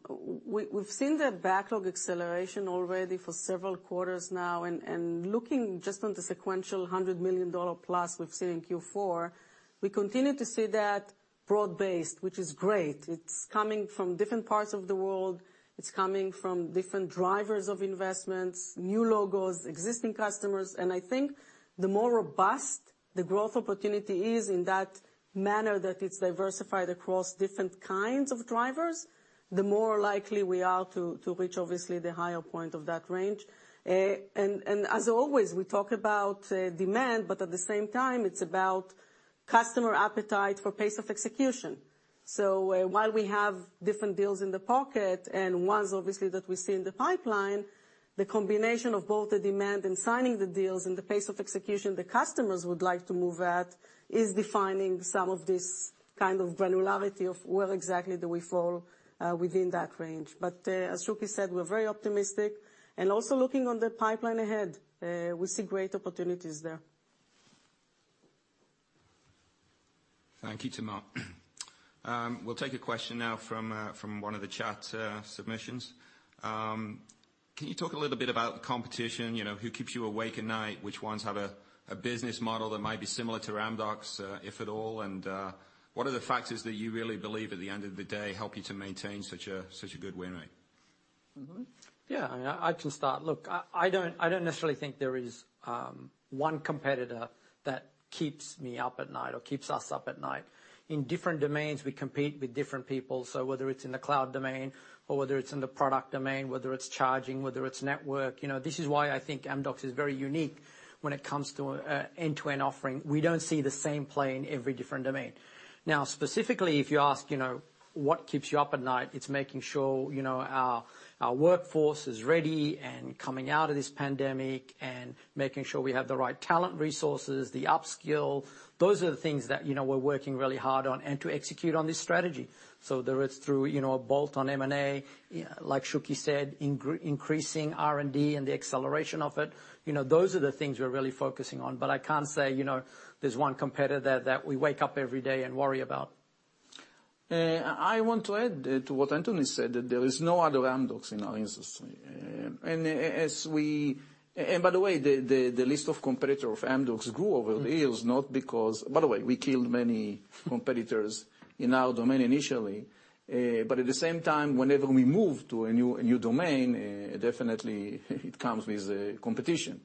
we've seen the backlog acceleration already for several quarters now. Looking just on the sequential $100 million plus we've seen in Q4, we continue to see that broad-based, which is great. It's coming from different parts of the world. It's coming from different drivers of investments, new logos, existing customers. I think the more robust the growth opportunity is in that manner that it's diversified across different kinds of drivers, the more likely we are to reach obviously the higher point of that range. As always, we talk about demand, but at the same time, it's about customer appetite for pace of execution. While we have different deals in the pocket, and ones obviously that we see in the pipeline, the combination of both the demand and signing the deals and the pace of execution the customers would like to move at is defining some of this kind of granularity of where exactly do we fall within that range. As Shuky said, we're very optimistic. Also looking on the pipeline ahead, we see great opportunities there. Thank you, Tamar. We'll take a question now from one of the chat submissions. Can you talk a little bit about the competition? You know, who keeps you awake at night? Which ones have a business model that might be similar to Amdocs, if at all? What are the factors that you really believe at the end of the day help you to maintain such a good win rate? Yeah, I mean, I can start. Look, I don't necessarily think there is one competitor that keeps me up at night or keeps us up at night. In different domains, we compete with different people, so whether it's in the cloud domain or whether it's in the product domain, whether it's charging, whether it's network. You know, this is why I think Amdocs is very unique when it comes to end-to-end offering. We don't see the same play in every different domain. Now, specifically, if you ask, you know, what keeps you up at night, it's making sure, you know, our workforce is ready and coming out of this pandemic and making sure we have the right talent resources, the upskill. Those are the things that, you know, we're working really hard on and to execute on this strategy. Whether it's through, you know, a bolt on M&A, like Shuky said, increasing R&D and the acceleration of it. You know, those are the things we're really focusing on. I can't say, you know, there's one competitor that we wake up every day and worry about. I want to add to what Anthony said, that there is no other Amdocs in our industry. By the way, the list of competitors of Amdocs grew over the years, not because. By the way, we killed many competitors in our domain initially. But at the same time, whenever we move to a new domain, definitely it comes with competition.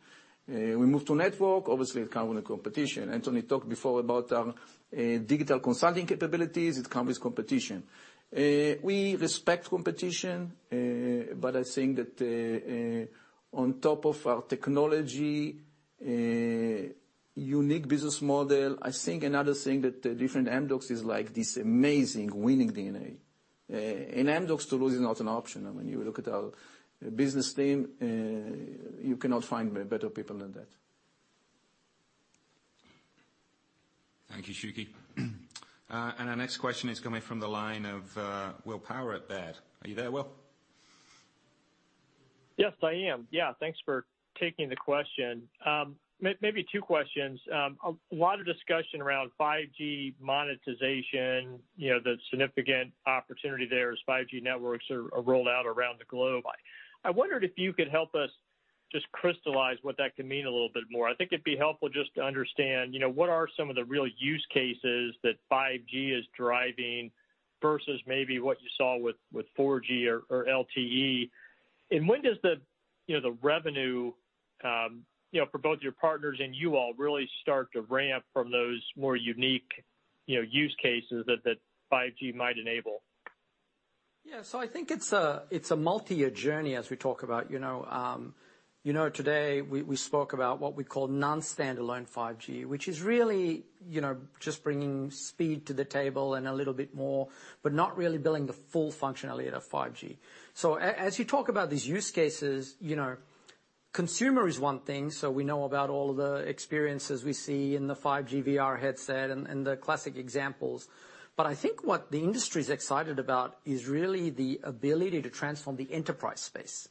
We moved to network, obviously it comes with competition. Anthony talked before about our digital consulting capabilities. It comes with competition. We respect competition, but I think that, on top of our technology and unique business model, I think another thing that differentiates Amdocs is like this amazing winning DNA. In Amdocs to lose is not an option. I mean, you look at our business team, you cannot find better people than that. Thank you, Shuky. Our next question is coming from the line of Will Power at Baird. Are you there, Will? Yes, I am. Yeah, thanks for taking the question. Maybe two questions. A lot of discussion around 5G monetization, you know, the significant opportunity there as 5G networks are rolled out around the globe. I wondered if you could help us just crystallize what that can mean a little bit more. I think it'd be helpful just to understand, you know, what are some of the real use cases that 5G is driving versus maybe what you saw with 4G or LTE. When does the, you know, the revenue, you know, for both your partners and you all really start to ramp from those more unique, you know, use cases that 5G might enable? Yeah. I think it's a multi-year journey as we talk about, you know. You know, today we spoke about what we call non-standalone 5G, which is really, you know, just bringing speed to the table and a little bit more, but not really building the full functionality of 5G. As you talk about these use cases, you know, consumer is one thing, so we know about all the experiences we see in the 5G VR headset and the classic examples. But I think what the industry's excited about is really the ability to transform the enterprise space.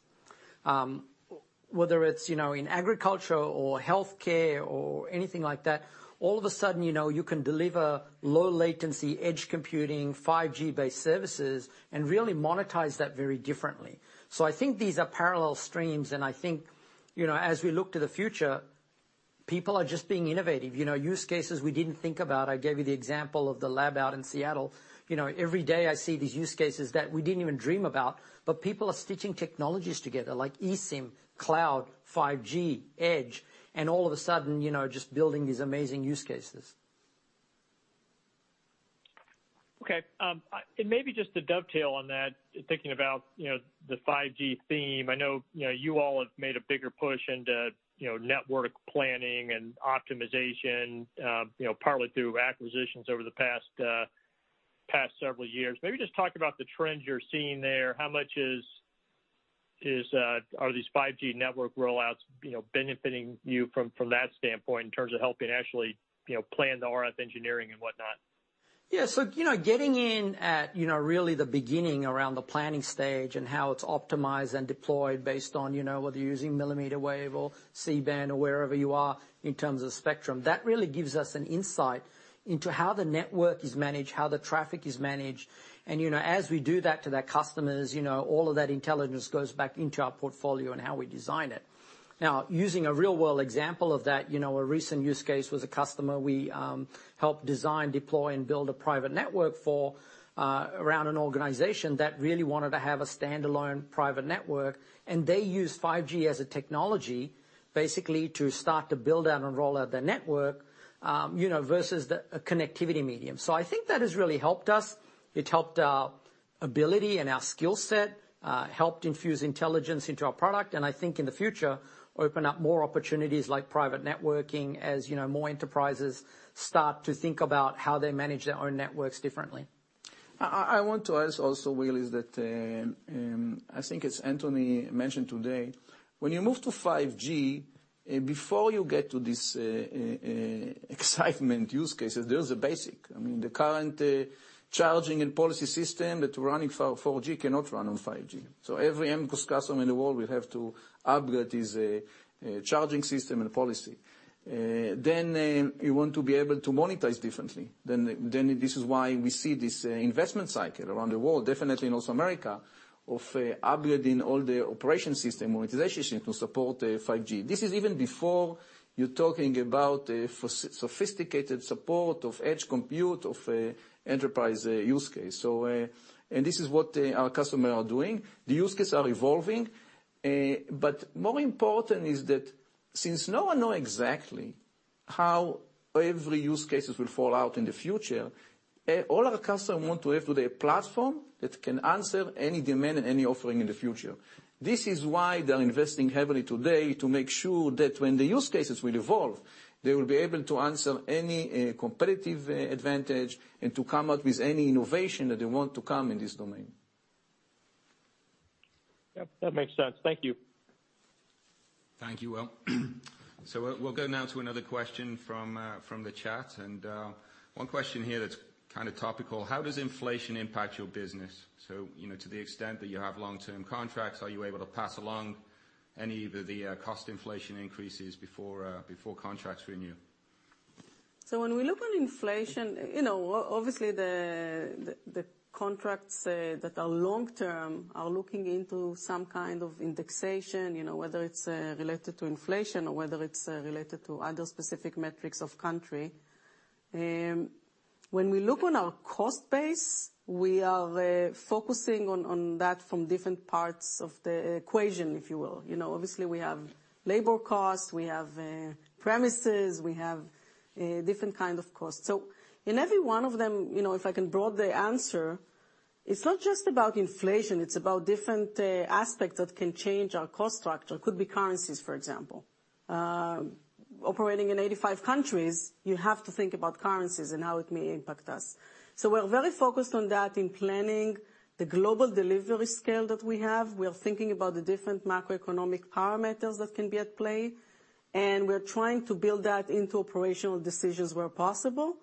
Whether it's, you know, in agriculture or healthcare or anything like that, all of a sudden, you know, you can deliver low latency, edge computing, 5G-based services and really monetize that very differently. I think these are parallel streams, and I think, you know, as we look to the future, people are just being innovative. You know, use cases we didn't think about. I gave you the example of the lab out in Seattle. You know, every day I see these use cases that we didn't even dream about, but people are stitching technologies together like eSIM, cloud, 5G, edge, and all of a sudden, you know, just building these amazing use cases. Okay. Maybe just to dovetail on that, thinking about, you know, the 5G theme, I know, you know, you all have made a bigger push into, you know, network planning and optimization, you know, partly through acquisitions over the past several years. Maybe just talk about the trends you're seeing there. How much are these 5G network roll-outs, you know, benefiting you from that standpoint in terms of helping actually, you know, plan the RF engineering and whatnot? Yeah. You know, getting in at, you know, really the beginning around the planning stage and how it's optimized and deployed based on, you know, whether you're using millimeter wave or C-band or wherever you are in terms of spectrum, that really gives us an insight into how the network is managed, how the traffic is managed. You know, as we do that to their customers, you know, all of that intelligence goes back into our portfolio and how we design it. Now, using a real-world example of that, you know, a recent use case was a customer we helped design, deploy, and build a private network for around an organization that really wanted to have a standalone private network, and they used 5G as a technology, basically to start to build out and roll out their network, you know, versus a connectivity medium. I think that has really helped us. It helped our ability and our skill set, helped infuse intelligence into our product, and I think in the future, open up more opportunities like private networking as, you know, more enterprises start to think about how they manage their own networks differently. I want to add also, Will, is that I think as Anthony mentioned today, when you move to 5G, before you get to this exciting use cases, there's a basic, I mean, the current charging and policy system that's running for 4G cannot run on 5G. Every Amdocs customer in the world will have to upgrade his charging system and policy. You want to be able to monetize differently. This is why we see this investment cycle around the world, definitely in North America, of upgrading all the operation system, monetization system to support 5G. This is even before you're talking about sophisticated support of edge compute, of enterprise use case. And this is what our customer are doing. The use cases are evolving, but more important is that since no one know exactly how every use cases will fall out in the future, all our customer want to have today a platform that can answer any demand and any offering in the future. This is why they're investing heavily today to make sure that when the use cases will evolve, they will be able to answer any competitive advantage and to come up with any innovation that they want to come in this domain. Yep. That makes sense. Thank you. Thank you, Will. We'll go now to another question from the chat. One question here that's kinda topical: How does inflation impact your business? You know, to the extent that you have long-term contracts, are you able to pass along any of the cost inflation increases before contracts renew? When we look on inflation, you know, obviously the contracts that are long-term are looking into some kind of indexation, you know, whether it's related to inflation or whether it's related to other specific metrics of country. When we look on our cost base, we are focusing on that from different parts of the equation, if you will. You know, obviously we have labor costs, we have premises, we have different kind of costs. In every one of them, you know, if I can broaden the answer, it's not just about inflation, it's about different aspects that can change our cost structure. Could be currencies, for example. Operating in 85 countries, you have to think about currencies and how it may impact us. We're very focused on that in planning. The global delivery scale that we have, we are thinking about the different macroeconomic parameters that can be at play, and we're trying to build that into operational decisions where possible.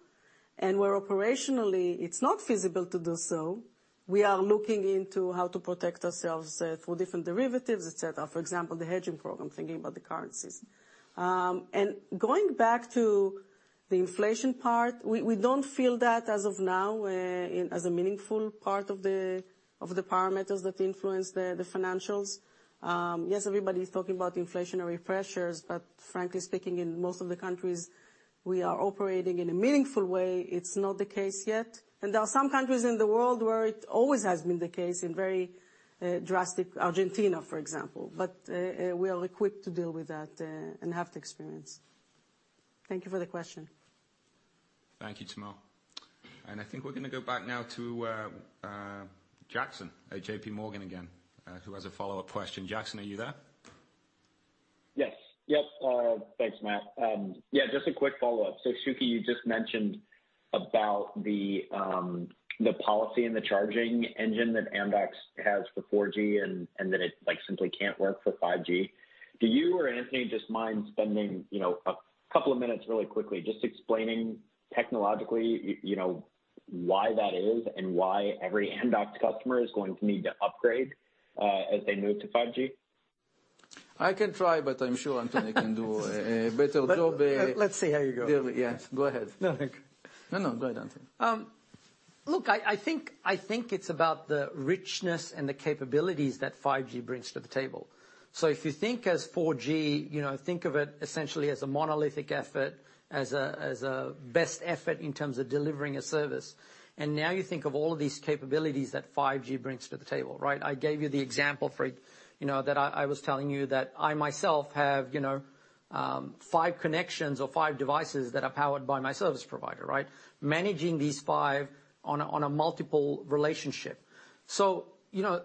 Where operationally it's not feasible to do so, we are looking into how to protect ourselves through different derivatives, et cetera. For example, the hedging program, thinking about the currencies. Going back to the inflation part, we don't feel that as of now in as a meaningful part of the parameters that influence the financials. Yes, everybody's talking about inflationary pressures, but frankly speaking, in most of the countries we are operating in a meaningful way, it's not the case yet. There are some countries in the world where it always has been the case in very drastic Argentina, for example. We are equipped to deal with that, and have the experience. Thank you for the question. Thank you, Tamar. I think we're gonna go back now to Jackson at JPMorgan again, who has a follow-up question. Jackson, are you there? Yes. Yep. Thanks, Matt. Yeah, just a quick follow-up. Shuky, you just mentioned about the policy and the charging engine that Amdocs has for 4G and that it, like, simply can't work for 5G. Do you or Anthony mind spending, you know, a couple of minutes really quickly just explaining technologically, you know, why that is and why every Amdocs customer is going to need to upgrade as they move to 5G? I can try, but I'm sure Anthony can do a better job. Let's see how you go. Really, yeah. Go ahead. No, thank you. No, no. Go ahead, Anthony. Look, I think it's about the richness and the capabilities that 5G brings to the table. If you think as 4G, you know, think of it essentially as a best effort in terms of delivering a service, and now you think of all of these capabilities that 5G brings to the table, right? I gave you the example, Fred, you know, that I was telling you that I myself have, you know, five connections or five devices that are powered by my service provider, right? Managing these five on a multiple relationship. You know,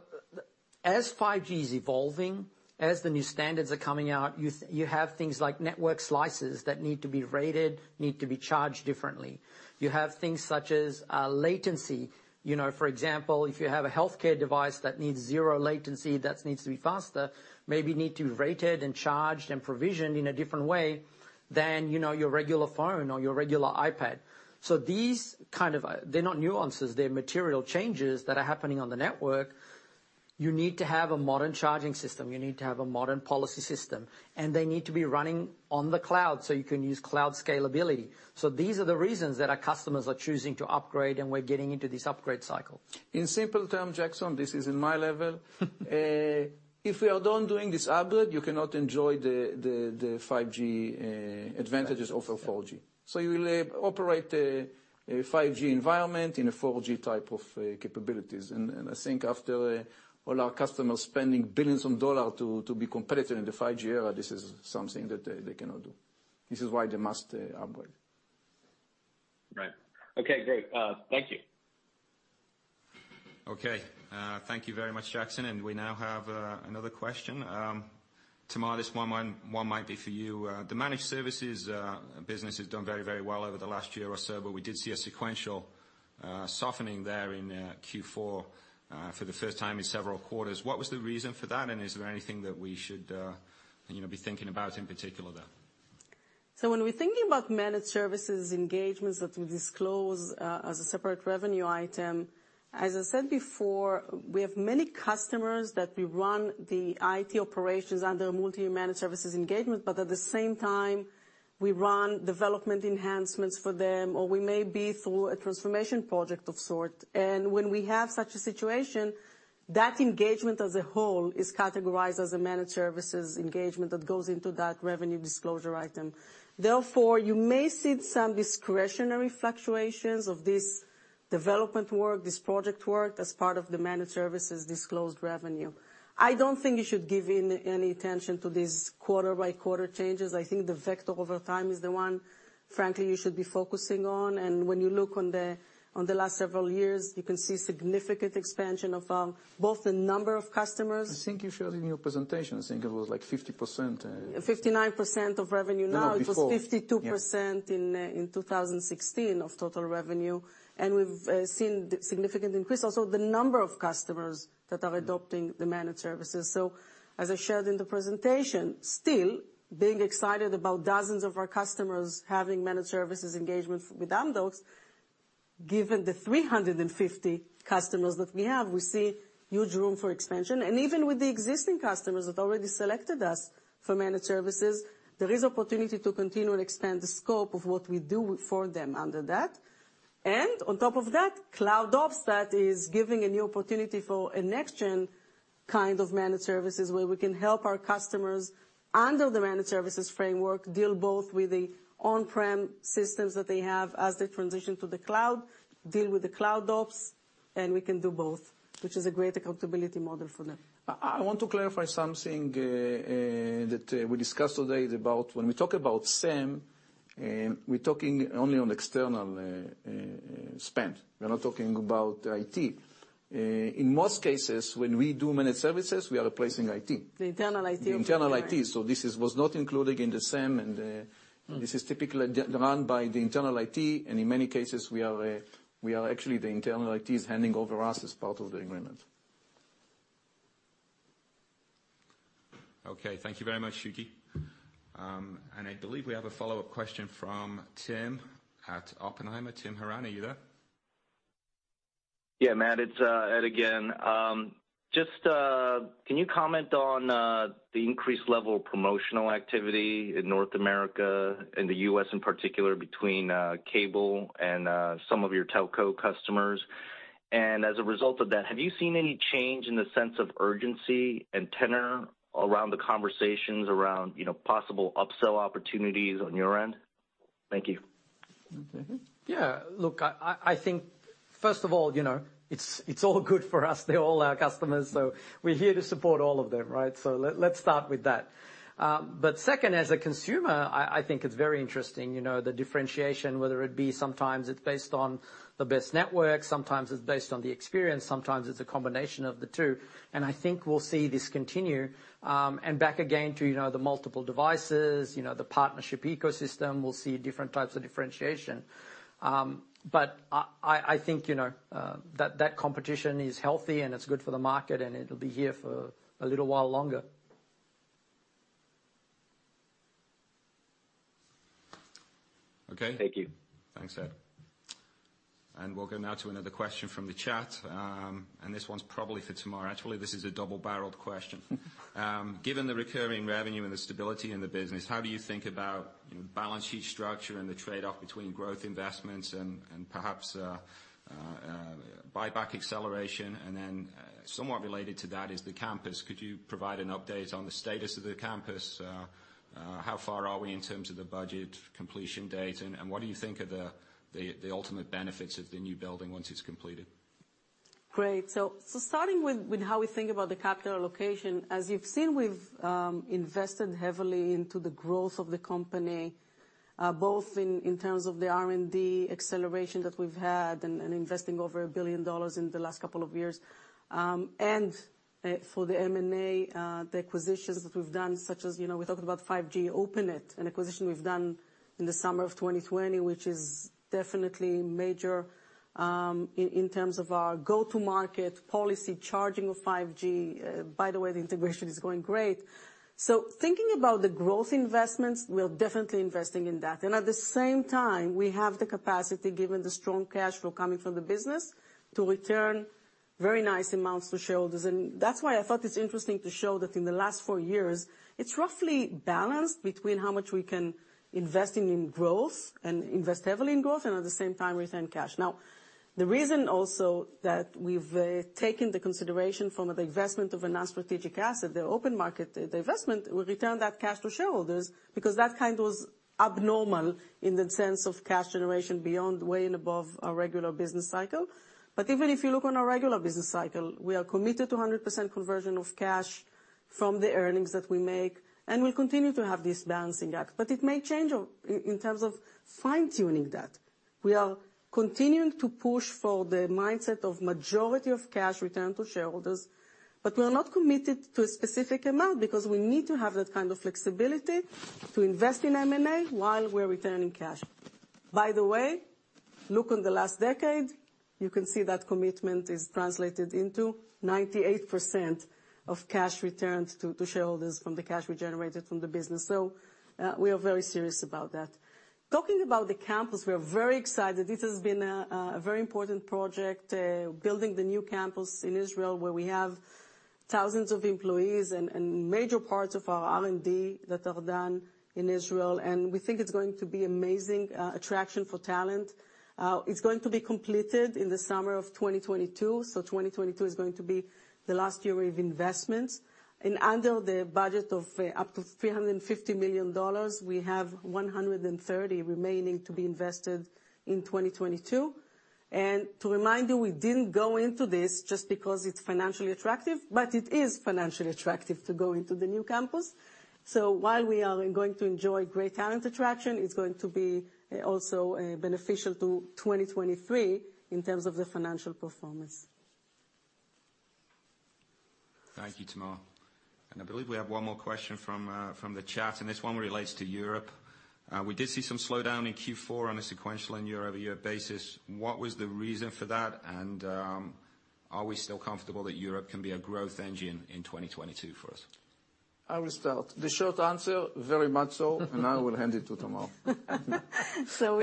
as 5G is evolving, as the new standards are coming out, you have things like network slices that need to be rated, need to be charged differently. You have things such as latency. You know, for example, if you have a healthcare device that needs zero latency, that needs to be faster, maybe need to be rated and charged and provisioned in a different way than, you know, your regular phone or your regular iPad. These kind of, they're not nuances, they're material changes that are happening on the network. You need to have a modern charging system, you need to have a modern policy system. They need to be running on the cloud so you can use cloud scalability. These are the reasons that our customers are choosing to upgrade, and we're getting into this upgrade cycle. In simple terms, Jackson, this is at my level. If you are done doing this upgrade, you cannot enjoy the 5G advantages over 4G. You will operate a 5G environment in a 4G type of capabilities. I think after all our customers spending billions of dollars to be competitive in the 5G era, this is something that they cannot do. This is why they must upgrade. Right. Okay, great. Thank you. Thank you very much, Jackson. We now have another question. Tamar, this one might be for you. The Managed Services business has done very well over the last year or so, but we did see a sequential softening there in Q4 for the first time in several quarters. What was the reason for that, and is there anything that we should, you know, be thinking about in particular there? When we're thinking about Managed Services engagements that we disclose as a separate revenue item, as I said before, we have many customers that we run the IT operations under multi-managed services engagement, but at the same time, we run development enhancements for them, or we may be through a transformation project of sort. When we have such a situation, that engagement as a whole is categorized as a Managed Services engagement that goes into that revenue disclosure item. Therefore, you may see some discretionary fluctuations of this development work, this project work, as part of the Managed Services disclosed revenue. I don't think you should give any attention to these quarter by quarter changes. I think the vector over time is the one, frankly, you should be focusing on. when you look at the last several years, you can see significant expansion of both the number of customers. I think you showed in your presentation. I think it was, like, 50%. 59% of revenue now- No, before It was 52% in 2016 of total revenue. We've seen significant increase in the number of customers that are adopting Managed Services. As I shared in the presentation, we're still excited about dozens of our customers having Managed Services engagement with Amdocs. Given the 350 customers that we have, we see huge room for expansion. Even with the existing customers that already selected us for Managed Services, there is opportunity to continue and expand the scope of what we do for them under that. On top of that, CloudOps, that is giving a new opportunity for a next gen kind of managed services, where we can help our customers under the managed services framework deal both with the on-prem systems that they have as they transition to the cloud, deal with the CloudOps, and we can do both, which is a great accountability model for them. I want to clarify something that we discussed today is about when we talk about SAM, we're talking only on external spend. We're not talking about IT. In most cases, when we do Managed Services, we are replacing IT. The internal IT. The internal IT. This was not included in the SAM, and this is typically driven by the internal IT, and in many cases, actually, the internal IT is handing over to us as part of the agreement. Okay, thank you very much, Shuky. I believe we have a follow-up question from Tim at Oppenheimer. Tim Horan, are you there? Yeah, Matt, it's Ed again. Just can you comment on the increased level of promotional activity in North America, in the U.S. in particular, between cable and some of your telco customers? As a result of that, have you seen any change in the sense of urgency and tenor around the conversations around, you know, possible upsell opportunities on your end? Thank you. Mm-hmm. Yeah. Look, I think first of all, you know, it's all good for us. They're all our customers, so we're here to support all of them, right? Let's start with that. Second, as a consumer, I think it's very interesting, you know, the differentiation, whether it be sometimes it's based on the best network, sometimes it's based on the experience, sometimes it's a combination of the two. I think we'll see this continue. Back again to, you know, the multiple devices, you know, the partnership ecosystem. We'll see different types of differentiation. I think, you know, that competition is healthy and it's good for the market and it'll be here for a little while longer. Okay. Thank you. Thanks, Ed. We'll go now to another question from the chat. This one's probably for Tamar. Actually, this is a double-barreled question. Given the recurring revenue and the stability in the business, how do you think about balance sheet structure and the trade-off between growth investments and perhaps buyback acceleration? Then somewhat related to that is the campus. Could you provide an update on the status of the campus? How far are we in terms of the budget completion date, and what do you think are the ultimate benefits of the new building once it's completed? Great. Starting with how we think about the capital allocation, as you've seen, we've invested heavily into the growth of the company, both in terms of the R&D acceleration that we've had and investing over $1 billion in the last couple of years, and for the M&A, the acquisitions that we've done, such as, you know, Openet, an acquisition we've done in the summer of 2020, which is definitely major, in terms of our go-to-market policy, charging of 5G. By the way, the integration is going great. Thinking about the growth investments, we're definitely investing in that. At the same time, we have the capacity, given the strong cash flow coming from the business, to return very nice amounts to shareholders. That's why I thought it's interesting to show that in the last four years, it's roughly balanced between how much we can invest in growth and invest heavily in growth and at the same time return cash. Now, the reason also that we've taken into consideration the investment of a non-strategic asset, the open market, the investment will return that cash to shareholders because that kind was abnormal in the sense of cash generation beyond way and above our regular business cycle. Even if you look on our regular business cycle, we are committed to 100% conversion of cash from the earnings that we make, and we'll continue to have this balancing act. It may change a bit in terms of fine-tuning that. We are continuing to push for the mindset of majority of cash returned to shareholders, but we're not committed to a specific amount because we need to have that kind of flexibility to invest in M&A while we're returning cash. By the way, look on the last decade, you can see that commitment is translated into 98% of cash returned to shareholders from the cash we generated from the business. We are very serious about that. Talking about the campus, we are very excited. This has been a very important project, building the new campus in Israel, where we have thousands of employees and major parts of our R&D that are done in Israel, and we think it's going to be amazing attraction for talent. It's going to be completed in the summer of 2022, so 2022 is going to be the last year of investments. Under the budget of up to $350 million, we have $130 million remaining to be invested in 2022. To remind you, we didn't go into this just because it's financially attractive, but it is financially attractive to go into the new campus. While we are going to enjoy great talent attraction, it's going to be also beneficial to 2023 in terms of the financial performance. Thank you, Tamar. I believe we have one more question from the chat, and this one relates to Europe. We did see some slowdown in Q4 on a sequential and year-over-year basis. What was the reason for that? Are we still comfortable that Europe can be a growth engine in 2022 for us? I will start. The short answer, very much so. I will hand it to Tamar.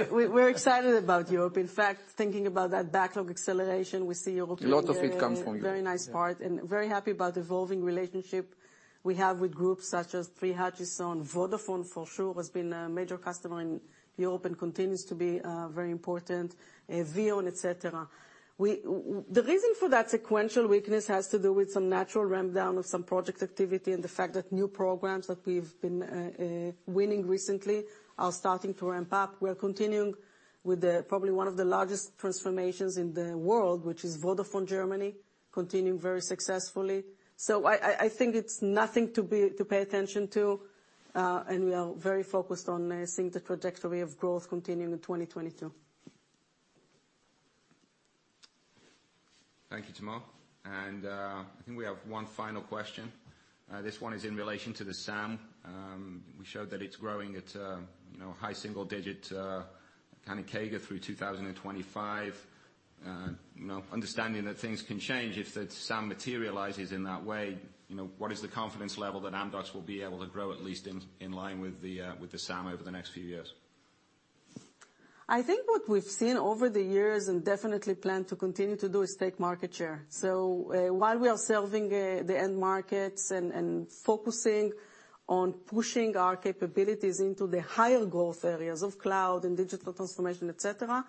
We're excited about Europe. In fact, thinking about that backlog acceleration, we see Europe in- A lot of it comes from Europe. Very nice part, and very happy about evolving relationship we have with groups such as CK Hutchison. Vodafone, for sure, has been a major customer in Europe and continues to be very important. VEON, et cetera. The reason for that sequential weakness has to do with some natural ramp-down of some project activity and the fact that new programs that we've been winning recently are starting to ramp up. We are continuing with probably one of the largest transformations in the world, which is Vodafone Germany, continuing very successfully. I think it's nothing to pay attention to, and we are very focused on seeing the trajectory of growth continuing in 2022. Thank you, Tamar. I think we have one final question. This one is in relation to the SAM. We showed that it's growing at, you know, high single digits, kind of CAGR through 2025. You know, understanding that things can change if the SAM materializes in that way, you know, what is the confidence level that Amdocs will be able to grow at least in line with the SAM over the next few years? I think what we've seen over the years, and definitely plan to continue to do, is take market share. While we are serving the end markets and focusing on pushing our capabilities into the higher growth areas of cloud and digital transformation, et cetera,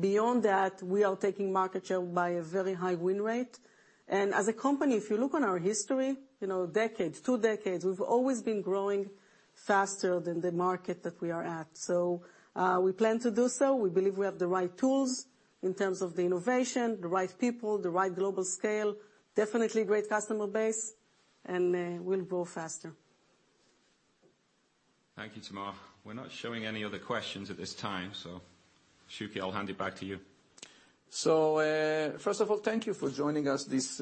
beyond that, we are taking market share by a very high win rate. As a company, if you look on our history, you know, decades, two decades, we've always been growing faster than the market that we are at. We plan to do so. We believe we have the right tools in terms of the innovation, the right people, the right global scale, definitely great customer base, and we'll grow faster. Thank you, Tamar. We're not showing any other questions at this time. Shuky, I'll hand it back to you. First of all, thank you for joining us this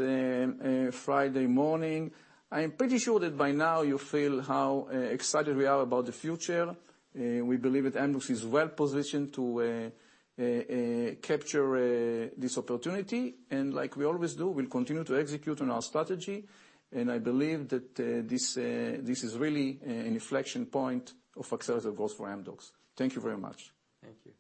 Friday morning. I am pretty sure that by now you feel how excited we are about the future. We believe that Amdocs is well positioned to capture this opportunity. Like we always do, we'll continue to execute on our strategy. I believe that this is really an inflection point of accelerated growth for Amdocs. Thank you very much. Thank you.